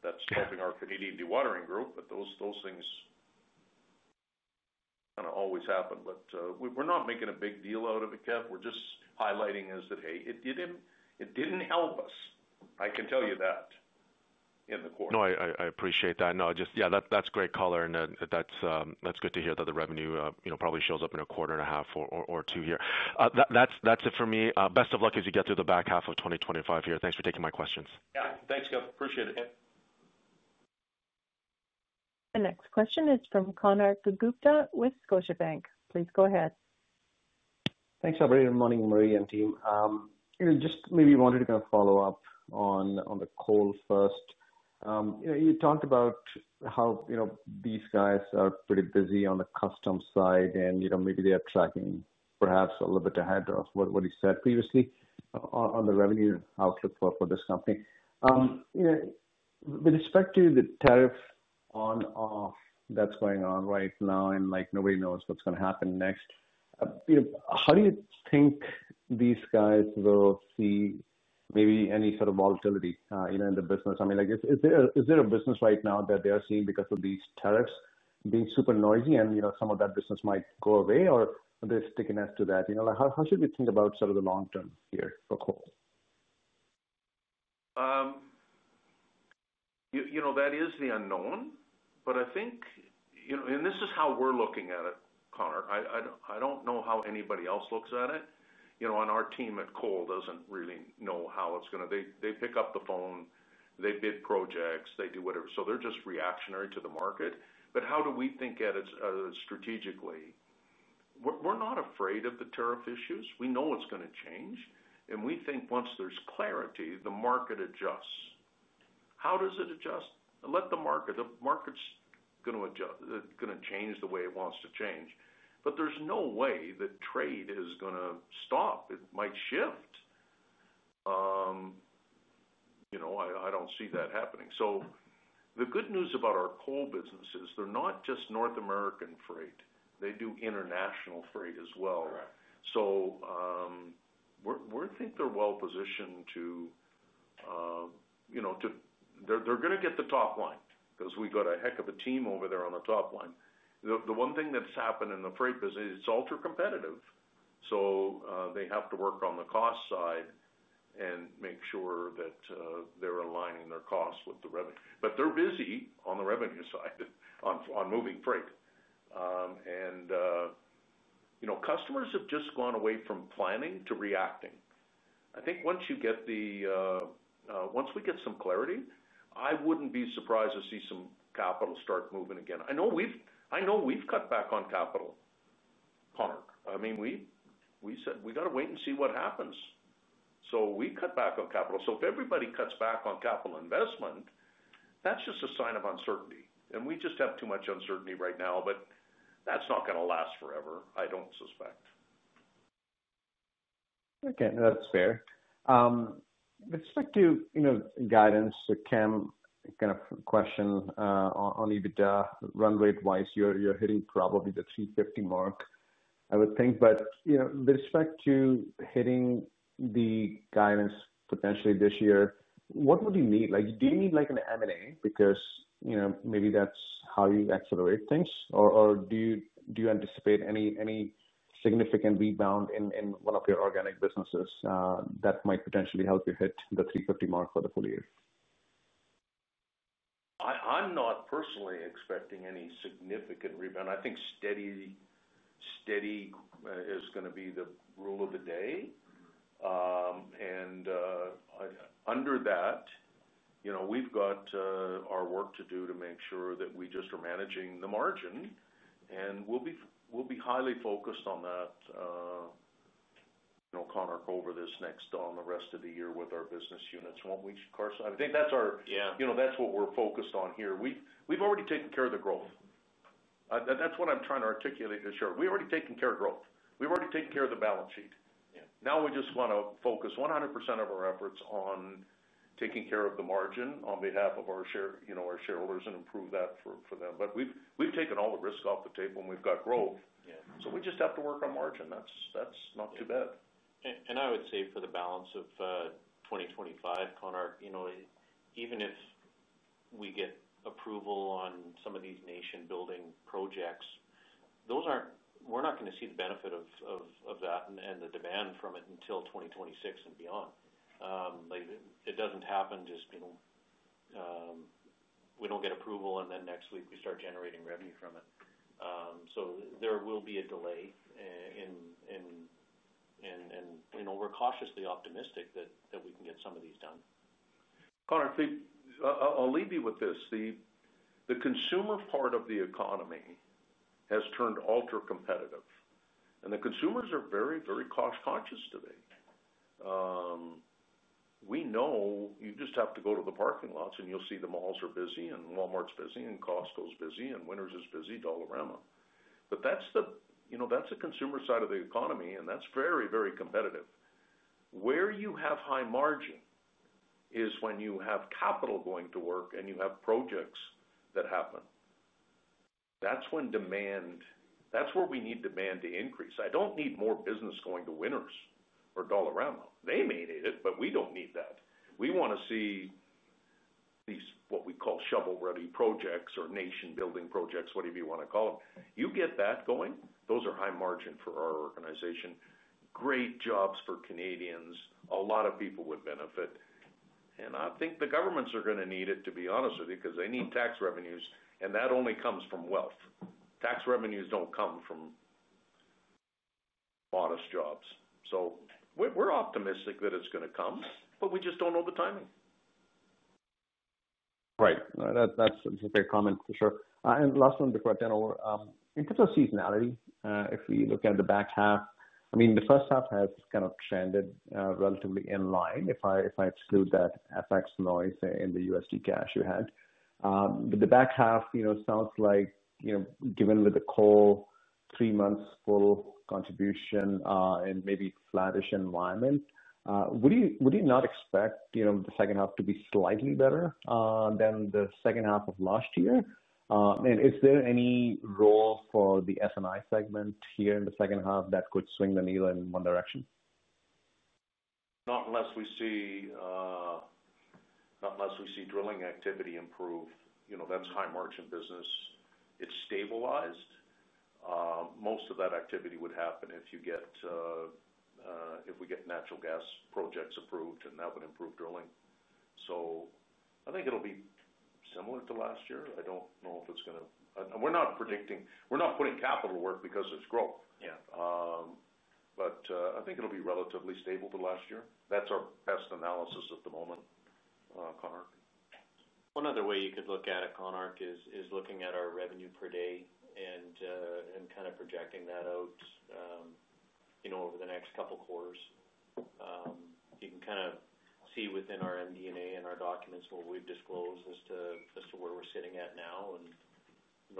that's helping our Canadian Dewatering group. Those things kind of always happen. We're not making a big deal out of it, Kev. We're just highlighting is that, hey, it didn't help us. I can tell you that in the quarter. I appreciate that. That's great color, and that's good to hear that the revenue probably shows up in a quarter and a half or two here. That's it for me. Best of luck as you get through the back half of 2025 here. Thanks for taking my questions. Yeah, thanks, Kev. Appreciate it. The next question is from Konark Gupta with Scotiabank. Please go ahead. Thanks, everybody. Good morning, Murray and team. Just maybe wanted to kind of follow up on the Cole first. You talked about how these guys are pretty busy on the customs side and maybe they are tracking perhaps a little bit ahead of what you said previously on the revenue outlook for this company. With respect to the tariff on/off that's going on right now and like nobody knows what's going to happen next, how do you think these guys will see maybe any sort of volatility in the business? I mean, is there a business right now that they are seeing because of these tariffs being super noisy and some of that business might go away or there's stickiness to that? How should we think about sort of the long term here for Cole? You know, that is the unknown. I think, you know, and this is how we're looking at it, Konark. I don't know how anybody else looks at it. On our team at Cole, they don't really know how it's going to, they pick up the phone, they bid projects, they do whatever. They're just reactionary to the market. How do we think at it strategically? We're not afraid of the tariff issues. We know it's going to change. We think once there's clarity, the market adjusts. How does it adjust? Let the market, the market's going to adjust. It's going to change the way it wants to change. There's no way that trade is going to stop. It might shift. I don't see that happening. The good news about our Cole business is they're not just North American freight. They do international freight as well. We think they're well positioned to, you know, they're going to get the top line because we got a heck of a team over there on the top line. The one thing that's happened in the freight business is it's ultra competitive. They have to work on the cost side and make sure that they're aligning their costs with the revenue. They're busy on the revenue side on moving freight. Customers have just gone away from planning to reacting. I think once we get some clarity, I wouldn't be surprised to see some capital start moving again. I know we've cut back on capital, Kornak. I mean, we said we got to wait and see what happens. We cut back on capital. If everybody cuts back on capital investment, that's just a sign of uncertainty. We just have too much uncertainty right now, but that's not going to last forever, I don't suspect. Okay, that's fair. Let's just give, you know, guidance to Kim, kind of question on EBITDA run rate-wise. You're hitting probably the $350 million mark, I would think. With respect to hitting the guidance potentially this year, what would you need? Do you need an M&A because maybe that's how you accelerate things? Do you anticipate any significant rebound in one of your organic businesses that might potentially help you hit the $350 million mark for the full year? I'm not personally expecting any significant rebound. I think steady is going to be the rule of the day. Under that, we've got our work to do to make sure that we just are managing the margin. We'll be highly focused on that, you know, Kornak, over this next, the rest of the year with our business units. Carson, I think that's what we're focused on here. We've already taken care of the growth. That's what I'm trying to articulate this year. We've already taken care of growth. We've already taken care of the balance sheet. Now we just want to focus 100% of our efforts on taking care of the margin on behalf of our shareholders and improve that for them. We've taken all the risk off the table and we've got growth. We just have to work on margin. That's not too bad. I would say for the balance of 2025, Kornak, even if we get approval on some of these nation-building projects, those are not, we are not going to see the benefit of that and the demand from it until 2026 and beyond. It does not happen just, you know, we do not get approval and then next week we start generating revenue from it. There will be a delay. We are cautiously optimistic that we can get some of these done. Kornak, I'll leave you with this. The consumer part of the economy has turned ultra competitive, and the consumers are very, very cost-conscious today. We know you just have to go to the parking lots and you'll see the malls are busy and Walmart's busy and Costco's busy and Winners is busy all around. That's the consumer side of the economy, and that's very, very competitive. Where you have high margin is when you have capital going to work and you have projects that happen. That's when demand, that's where we need demand to increase. I don't need more business going to Winners or Dollarama. They may need it, but we don't need that. We want to see these, what we call shovel-ready projects or nation-building projects, whatever you want to call them. You get that going, those are high margin for our organization. Great jobs for Canadians. A lot of people would benefit. I think the governments are going to need it, to be honest with you, because they need tax revenues and that only comes from wealth. Tax revenues don't come from modest jobs. We're optimistic that it's going to come, but we just don't know the timing. Right. That's a fair comment for sure. Last one, in terms of seasonality, if we look at the back half, the first half has kind of trended relatively in line, if I exclude that FX noise in the USD cash you had. The back half, given with the Cole, three months full contribution and maybe flattish environment, would you not expect the second half to be slightly better than the second half of last year? Is there any role for the S&I segment here in the second half that could swing the needle in one direction? Not unless we see drilling activity improve. You know, that's high margin business. It's stabilized. Most of that activity would happen if we get natural gas projects approved and that would improve drilling. I think it'll be similar to last year. I don't know if it's going to, we're not predicting, we're not putting capital to work because there's growth. I think it'll be relatively stable to last year. That's our best analysis at the moment, Kornak. One other way you could look at it, Kornak, is looking at our revenue per day and kind of projecting that out over the next couple of quarters. You can kind of see within our MD&A and our documents what we've disclosed as to where we're sitting at now.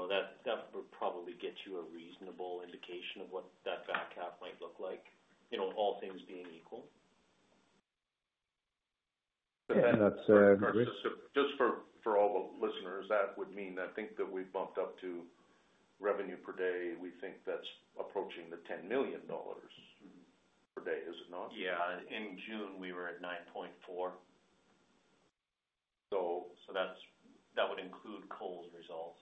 That stuff would probably get you a reasonable indication of what that back half might look like, all things being equal. For all the listeners, that would mean that I think that we bumped up to revenue per day. We think that's approaching the $10 million per day, is it not? Yeah, in June, we were at $9.4 million. That would include Cole's results.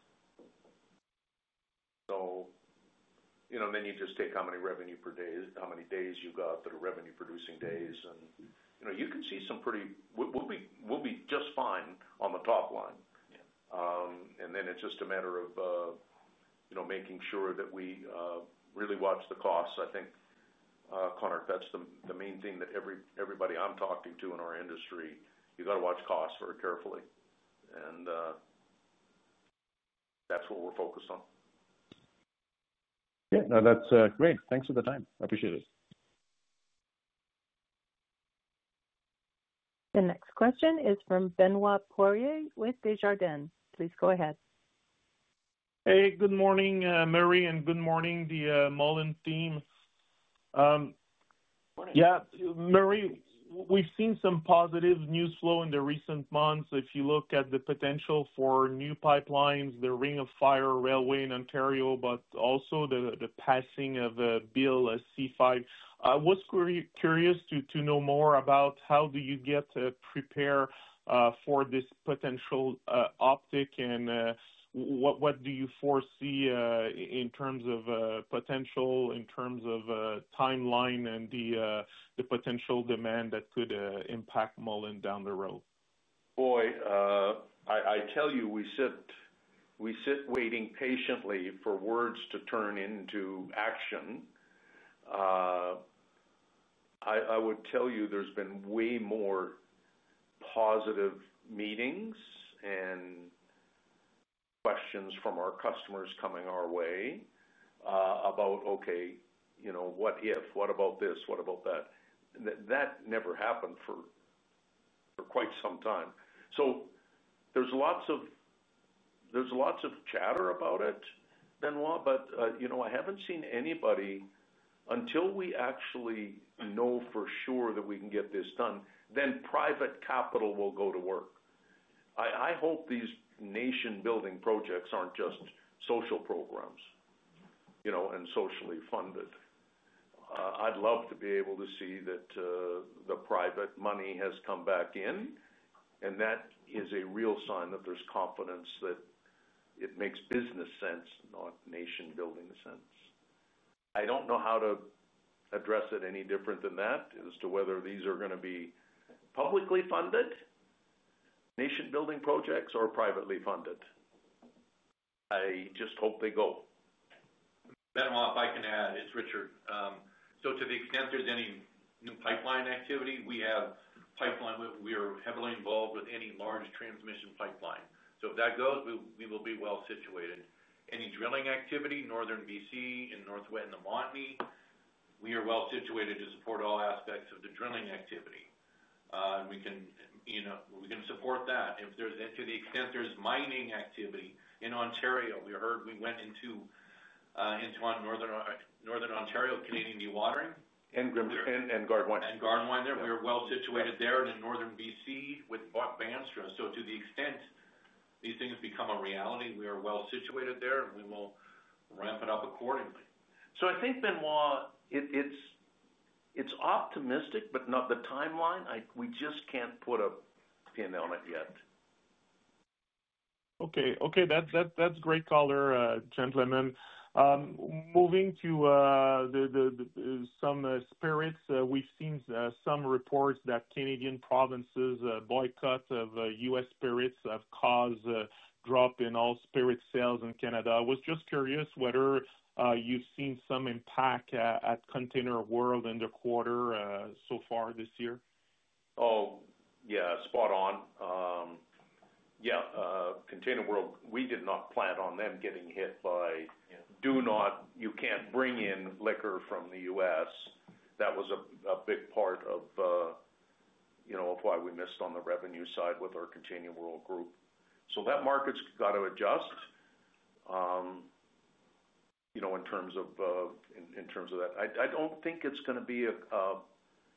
You just take how many revenue per days, how many days you've got that are revenue-producing days, and you can see some pretty, we'll be just fine on the top line. It's just a matter of making sure that we really watch the costs. I think, Kornak, that's the main thing that everybody I'm talking to in our industry, you got to watch costs very carefully. That's what we're focused on. Yeah, no, that's great. Thanks for the time. I appreciate it. The next question is from Benoit Poirier with Desjardins. Please go ahead. Hey, good morning, Murray, and good morning to the Mullen team. Yeah, Murray, we've seen some positive news flow in the recent months. If you look at the potential for new pipelines, the Ring of Fire Railway in Ontario, but also the passing of a Bill, a C5. I was curious to know more about how you get to prepare for this potential optic and what you foresee in terms of potential, in terms of timeline and the potential demand that could impact Mullen down the road. I tell you, we sit waiting patiently for words to turn into action. I would tell you there's been way more positive meetings and questions from our customers coming our way about, okay, you know, what if, what about this, what about that? That never happened for quite some time. There's lots of chatter about it, Benoit, but you know, I haven't seen anybody, until we actually know for sure that we can get this done, then private capital will go to work. I hope these nation-building projects aren't just social programs, you know, and socially funded. I'd love to be able to see that the private money has come back in, and that is a real sign that there's confidence that it makes business sense, not nation-building sense. I don't know how to address it any different than that as to whether these are going to be publicly funded, nation-building projects, or privately funded. I just hope they go. Benoit, if I can add, it's Richard. To the extent there's any new pipeline activity, we have pipeline, we are heavily involved with any large transmission pipeline. If that goes, we will be well situated. Any drilling activity, Northern BC and Northwest Montney, we are well situated to support all aspects of the drilling activity. We can support that. To the extent there's mining activity in Ontario, we heard we went into our Northern Ontario Canadian Dewatering. And Gardewine. And Gardewine. We are well situated there and in Northern BC with Banstra. To the extent these things become a reality, we are well situated there and we will ramp it up accordingly. I think, Benoit, it's optimistic, but not the timeline. We just can't put a pin on it yet. Okay, that's great color, gentlemen. Moving to some spirits, we've seen some reports that Canadian provinces' boycott of U.S. spirits have caused a drop in all spirit sales in Canada. I was just curious whether you've seen some impact at ContainerWorld in the quarter so far this year. Oh, yeah, spot on. Yeah, ContainerWorld, we did not plan on them getting hit by, do not, you can't bring in liquor from the U.S. That was a big part of, you know, of why we missed on the revenue side with our ContainerWorld Group. That market's got to adjust, you know, in terms of that. I don't think it's going to be a,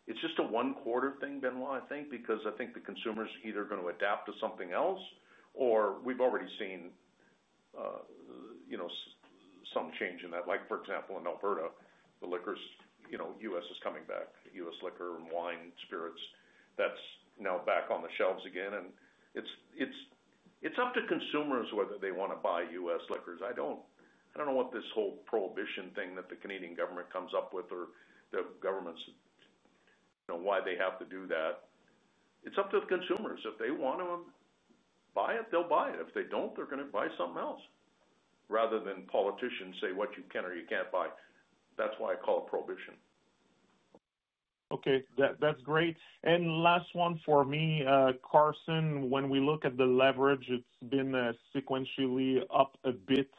it's just a one-quarter thing, Benoit, I think, because I think the consumers either are going to adapt to something else or we've already seen, you know, some change in that. For example, in Alberta, the liquors, you know, U.S. is coming back, U.S. liquor and wine spirits, that's now back on the shelves again. It's up to consumers whether they want to buy U.S. liquors. I don't know what this whole prohibition thing that the Canadian government comes up with or the government's, you know, why they have to do that. It's up to the consumers. If they want to buy it, they'll buy it. If they don't, they're going to buy something else rather than politicians say what you can or you can't buy. That's why I call it prohibition. Okay, that's great. Last one for me, Carson, when we look at the leverage, it's been sequentially up a bit,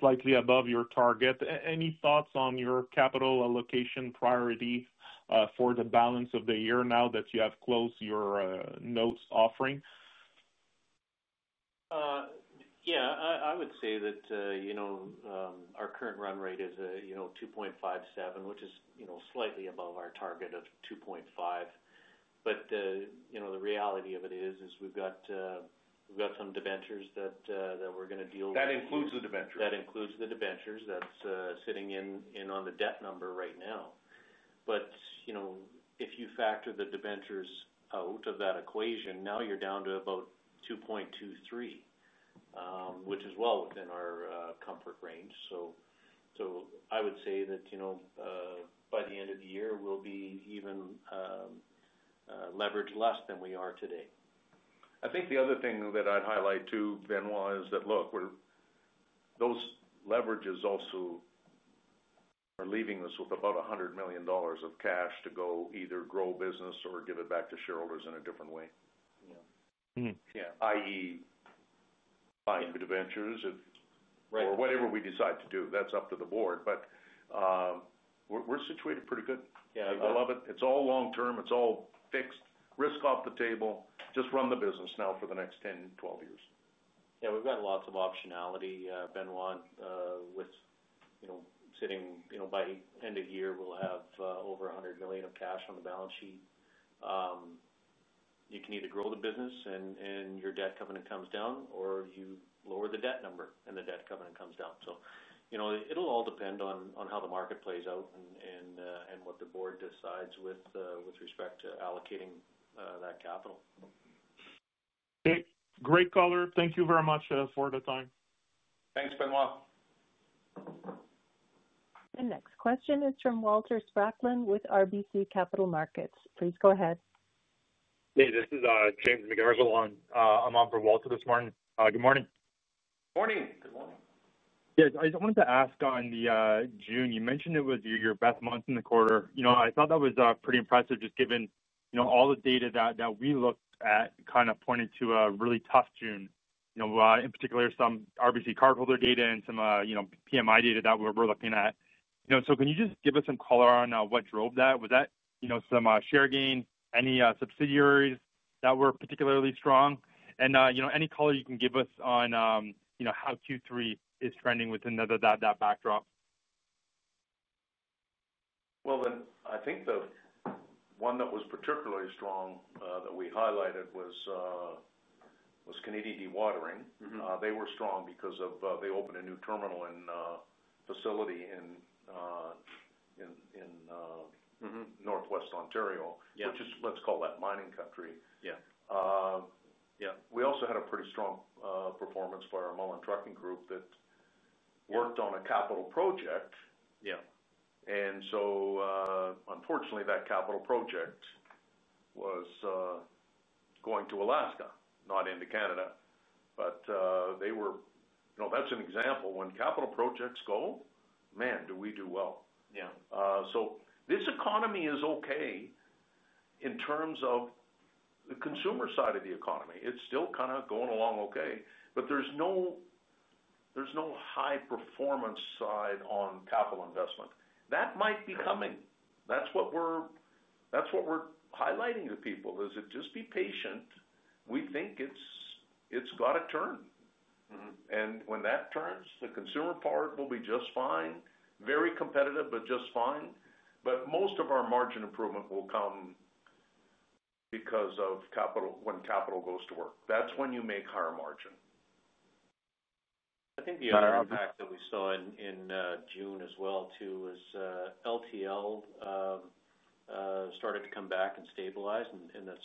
slightly above your target. Any thoughts on your capital allocation priority for the balance of the year now that you have closed your notes offering? Yeah, I would say that our current run rate is a 2.57%, which is slightly above our target of 2.5%. The reality of it is we've got some debentures that we're going to deal with. That includes the debentures. That includes the debentures that's sitting in on the debt number right now. If you factor the debentures out of that equation, now you're down to about 2.23%, which is well within our comfort range. I would say that, you know, by the end of the year, we'll be even leveraged less than we are today. I think the other thing that I'd highlight too, Benoit, is that, look, those leverages also are leaving us with about $100 million of cash to go either grow business or give it back to shareholders in a different way. Yeah. Yeah, i.e., buying the debentures or whatever we decide to do. That is up to the Board, but we're situated pretty good. Yeah. I love it. It's all long term. It's all fixed. Risk off the table. Just run the business now for the next 10-12 years. Yeah, we've got lots of optionality, Benoit, with, you know, sitting, you know, by end of year, we'll have over $100 million of cash on the balance sheet. You can either grow the business and your debt covenant comes down, or you lower the debt number and the debt covenant comes down. It will all depend on how the market plays out and what the Board decides with respect to allocating that capital. Okay, great color. Thank you very much for the time. Thanks, Benoit. The next question is from Walter Spracklin with RBC Capital Markets. Please go ahead. Hey, this is James McGarragle. I'm on for Walter this morning. Good morning. Morning. Good morning. Yes, I just wanted to ask on June. You mentioned it was your best month in the quarter. I thought that was pretty impressive just given all the data that we looked at kind of pointed to a really tough June. In particular, some RBC cardholder data and some PMI data that we're looking at. Can you just give us some color on what drove that? Was that some share gain? Any subsidiaries that were particularly strong? Any color you can give us on how Q3 is trending within that backdrop? I think the one that was particularly strong that we highlighted was Canadian Dewatering. They were strong because they opened a new terminal and facility in Northwest Ontario, which is, let's call that mining country. Yeah. Yeah, we also had a pretty strong performance by our Mullen Trucking Group that worked on a capital project. Yeah. Unfortunately, that capital project was going to Alaska, not into Canada. That's an example. When capital projects go, man, do we do well? Yeah. This economy is okay in terms of the consumer side of the economy. It's still kind of going along okay, but there's no high performance side on capital investment. That might be coming. That's what we're highlighting to people, is that just be patient. We think it's got to turn. When that turns, the consumer part will be just fine, very competitive, but just fine. Most of our margin improvement will come because of capital when capital goes to work. That's when you make higher margin. I think the other impact that we saw in June. As LTL started to come back and stabilize, and that's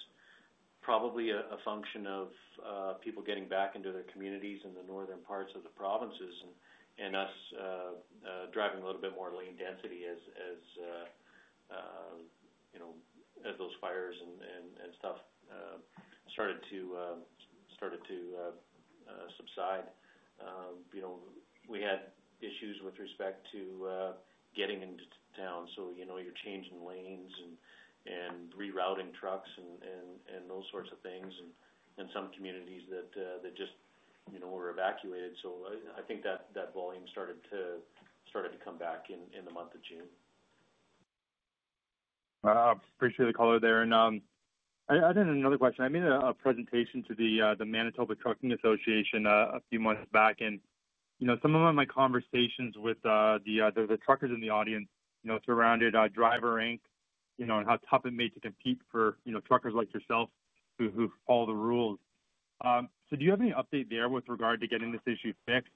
probably a function of people getting back into their communities in the northern parts of the provinces and us driving a little bit more lane density as those fires and stuff started to subside. We had issues with respect to getting into town. You're changing lanes and rerouting trucks and those sorts of things. Some communities just were evacuated. I think that volume started to come back in the month of June. I appreciate the color there. I had another question. I made a presentation to the Manitoba Trucking Association a few months back. Some of my conversations with the truckers in the audience surrounded the Driver Inc and how tough it made it to compete for truckers like yourself who follow the rules. Do you have any update there with regard to getting this issue fixed?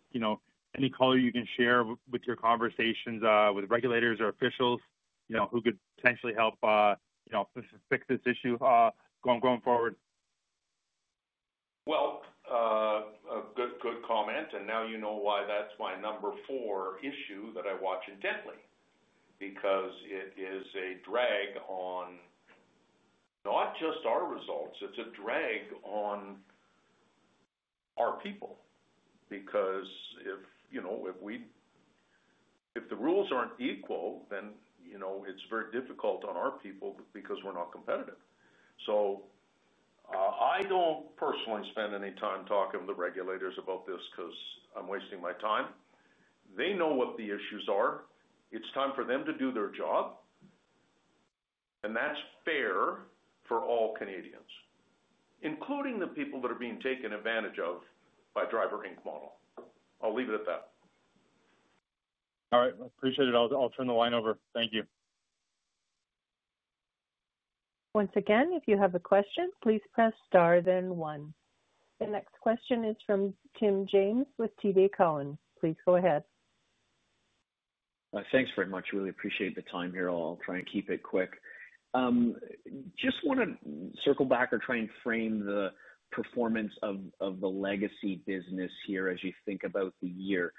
Any color you can share with your conversations with regulators or officials who could potentially help fix this issue going forward? That's a good comment. Now you know why that's my number four issue that I watch intently because it is a drag on not just our results. It's a drag on our people because if the rules aren't equal, then it's very difficult on our people because we're not competitive. I don't personally spend any time talking to the regulators about this because I'm wasting my time. They know what the issues are. It's time for them to do their job. That's fair for all Canadians, including the people that are being taken advantage of by Driver Inc model. I'll leave it at that. All right. Appreciate it. I'll turn the line over. Thank you. Once again, if you have a question, please press star then one. The next question is from Tim James with TD Cowen. Please go ahead. Thanks very much. Really appreciate the time here. I'll try and keep it quick. I just want to circle back or try and frame the performance of the legacy business here as you think about the year.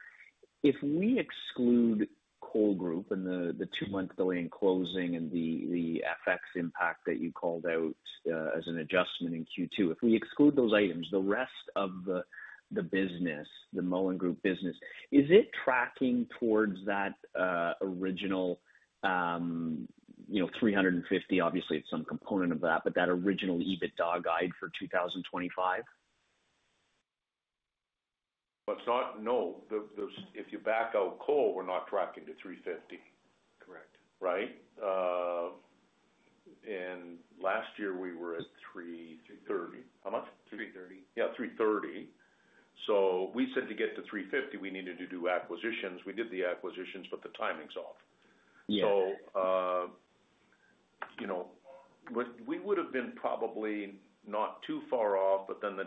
If we exclude Cole Group and the two-month delay in closing and the FX impact that you called out as an adjustment in Q2, if we exclude those items, the rest of the business, the Mullen Group business, is it tracking towards that original, you know, $350 million? Obviously, it's some component of that, but that original EBITDA guide for 2025? If you back out Cole, we're not tracking to $350 million. Correct. Right? Last year, we were at $330 million? How much? $330 million. Yeah, $330 million. We said to get to $350 million, we needed to do acquisitions. We did the acquisitions, but the timing's off. Yeah. You know, we would have been probably not too far off, but then the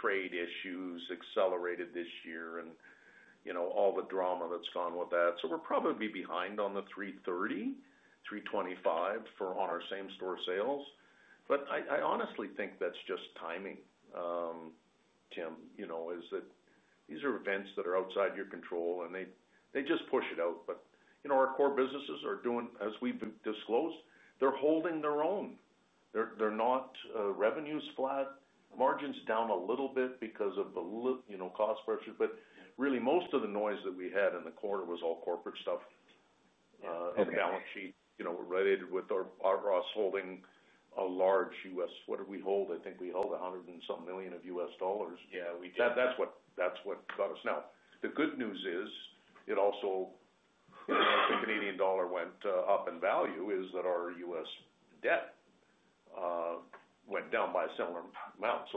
trade issues accelerated this year, and all the drama that's gone with that. We're probably behind on the $330 million, $325 million for on our same store sales. I honestly think that's just timing, Tim. These are events that are outside your control, and they just push it out. Our core businesses are doing, as we've disclosed, they're holding their own. They're not, revenue's flat, margin's down a little bit because of the cost pressures. Really, most of the noise that we had in the quarter was all corporate stuff. Balance sheet. You know, related with our ROS holding a large U.S., what did we hold? I think we held $100 and some million of U.S. dollars. Yeah, we did. That's what got us now. The good news is it also, the Canadian dollar went up in value, is that our U.S. debt went down by a similar amount.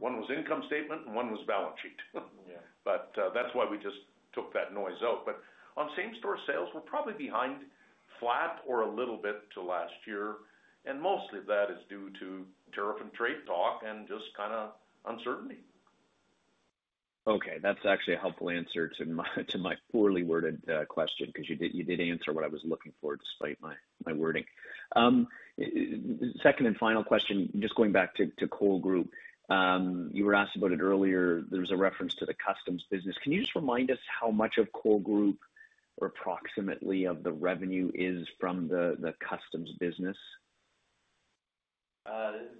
One was income statement and one was balance sheet. Yeah. That is why we just took that noise out. On same-store sales, we're probably behind flat or a little bit to last year. Mostly that is due to tariff and trade talk and just kind of uncertainty. Okay. That's actually a helpful answer to my poorly worded question because you did answer what I was looking for despite my wording. Second and final question, just going back to Cole Group, you were asked about it earlier. There was a reference to the customs business. Can you just remind us how much of Cole Group or approximately of the revenue is from the customs business?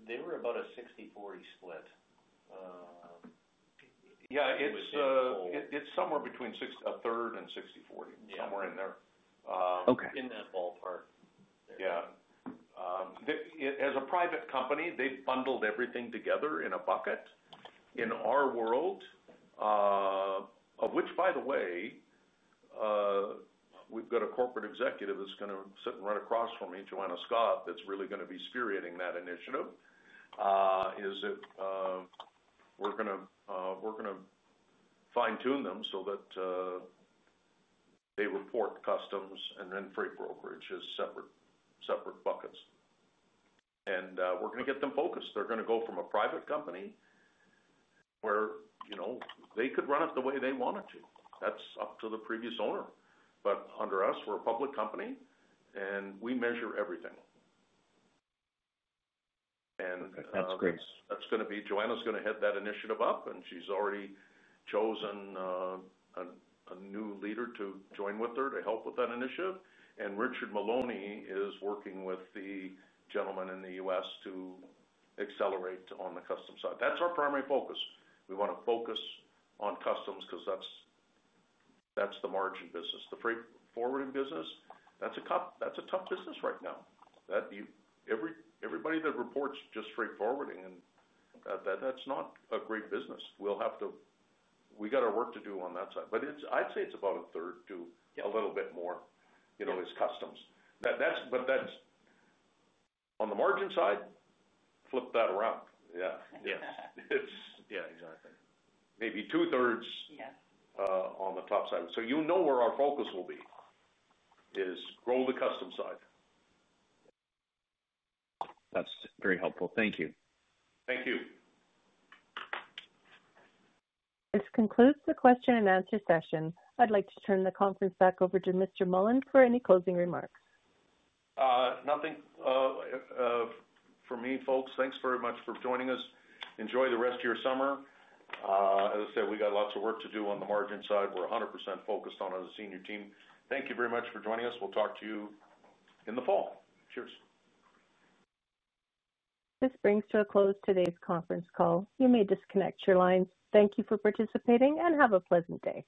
They were about a 60/40 split. Yeah, it's somewhere between a third and 60/40, somewhere in there. Okay. In that ballpark. Yeah. As a private company, they bundled everything together in a bucket. In our world, of which, by the way, we've got a Corporate Executive that's going to sit right across from me, Joanna Scott, that's really going to be spiriting that initiative, we're going to fine-tune them so that they report customs and then freight brokerage as separate buckets. We're going to get them focused. They're going to go from a private company where they could run it the way they wanted to. That's up to the previous owner. Under us, we're a public company, and we measure everything. That's great. That is going to be Joanna's going to head that initiative up, and she's already chosen a new leader to join with her to help with that initiative. Richard Maloney is working with the gentleman in the U.S. to accelerate on the customs side. That's our primary focus. We want to focus on customs because that's the margin business. The freight forwarding business, that's a tough business right now. Everybody that reports just freight forwarding, that's not a great business. We've got our work to do on that side. I'd say it's about a third to a little bit more, you know, is customs. That's on the margin side, flip that around. Yeah. Yeah, exactly. Maybe two-thirds, yeah, on the top side. You know where our focus will be is grow the custom side. That's very helpful. Thank you. Thank you. This concludes the question-and-answer session. I'd like to turn the conference back over to Mr. Mullen for any closing remarks. Nothing for me, folks. Thanks very much for joining us. Enjoy the rest of your summer. As I said, we got lots of work to do on the margin side. We're 100% focused on the senior team. Thank you very much for joining us. We'll talk to you in the fall. Cheers. This brings to a close today's conference call. You may disconnect your lines. Thank you for participating and have a pleasant day.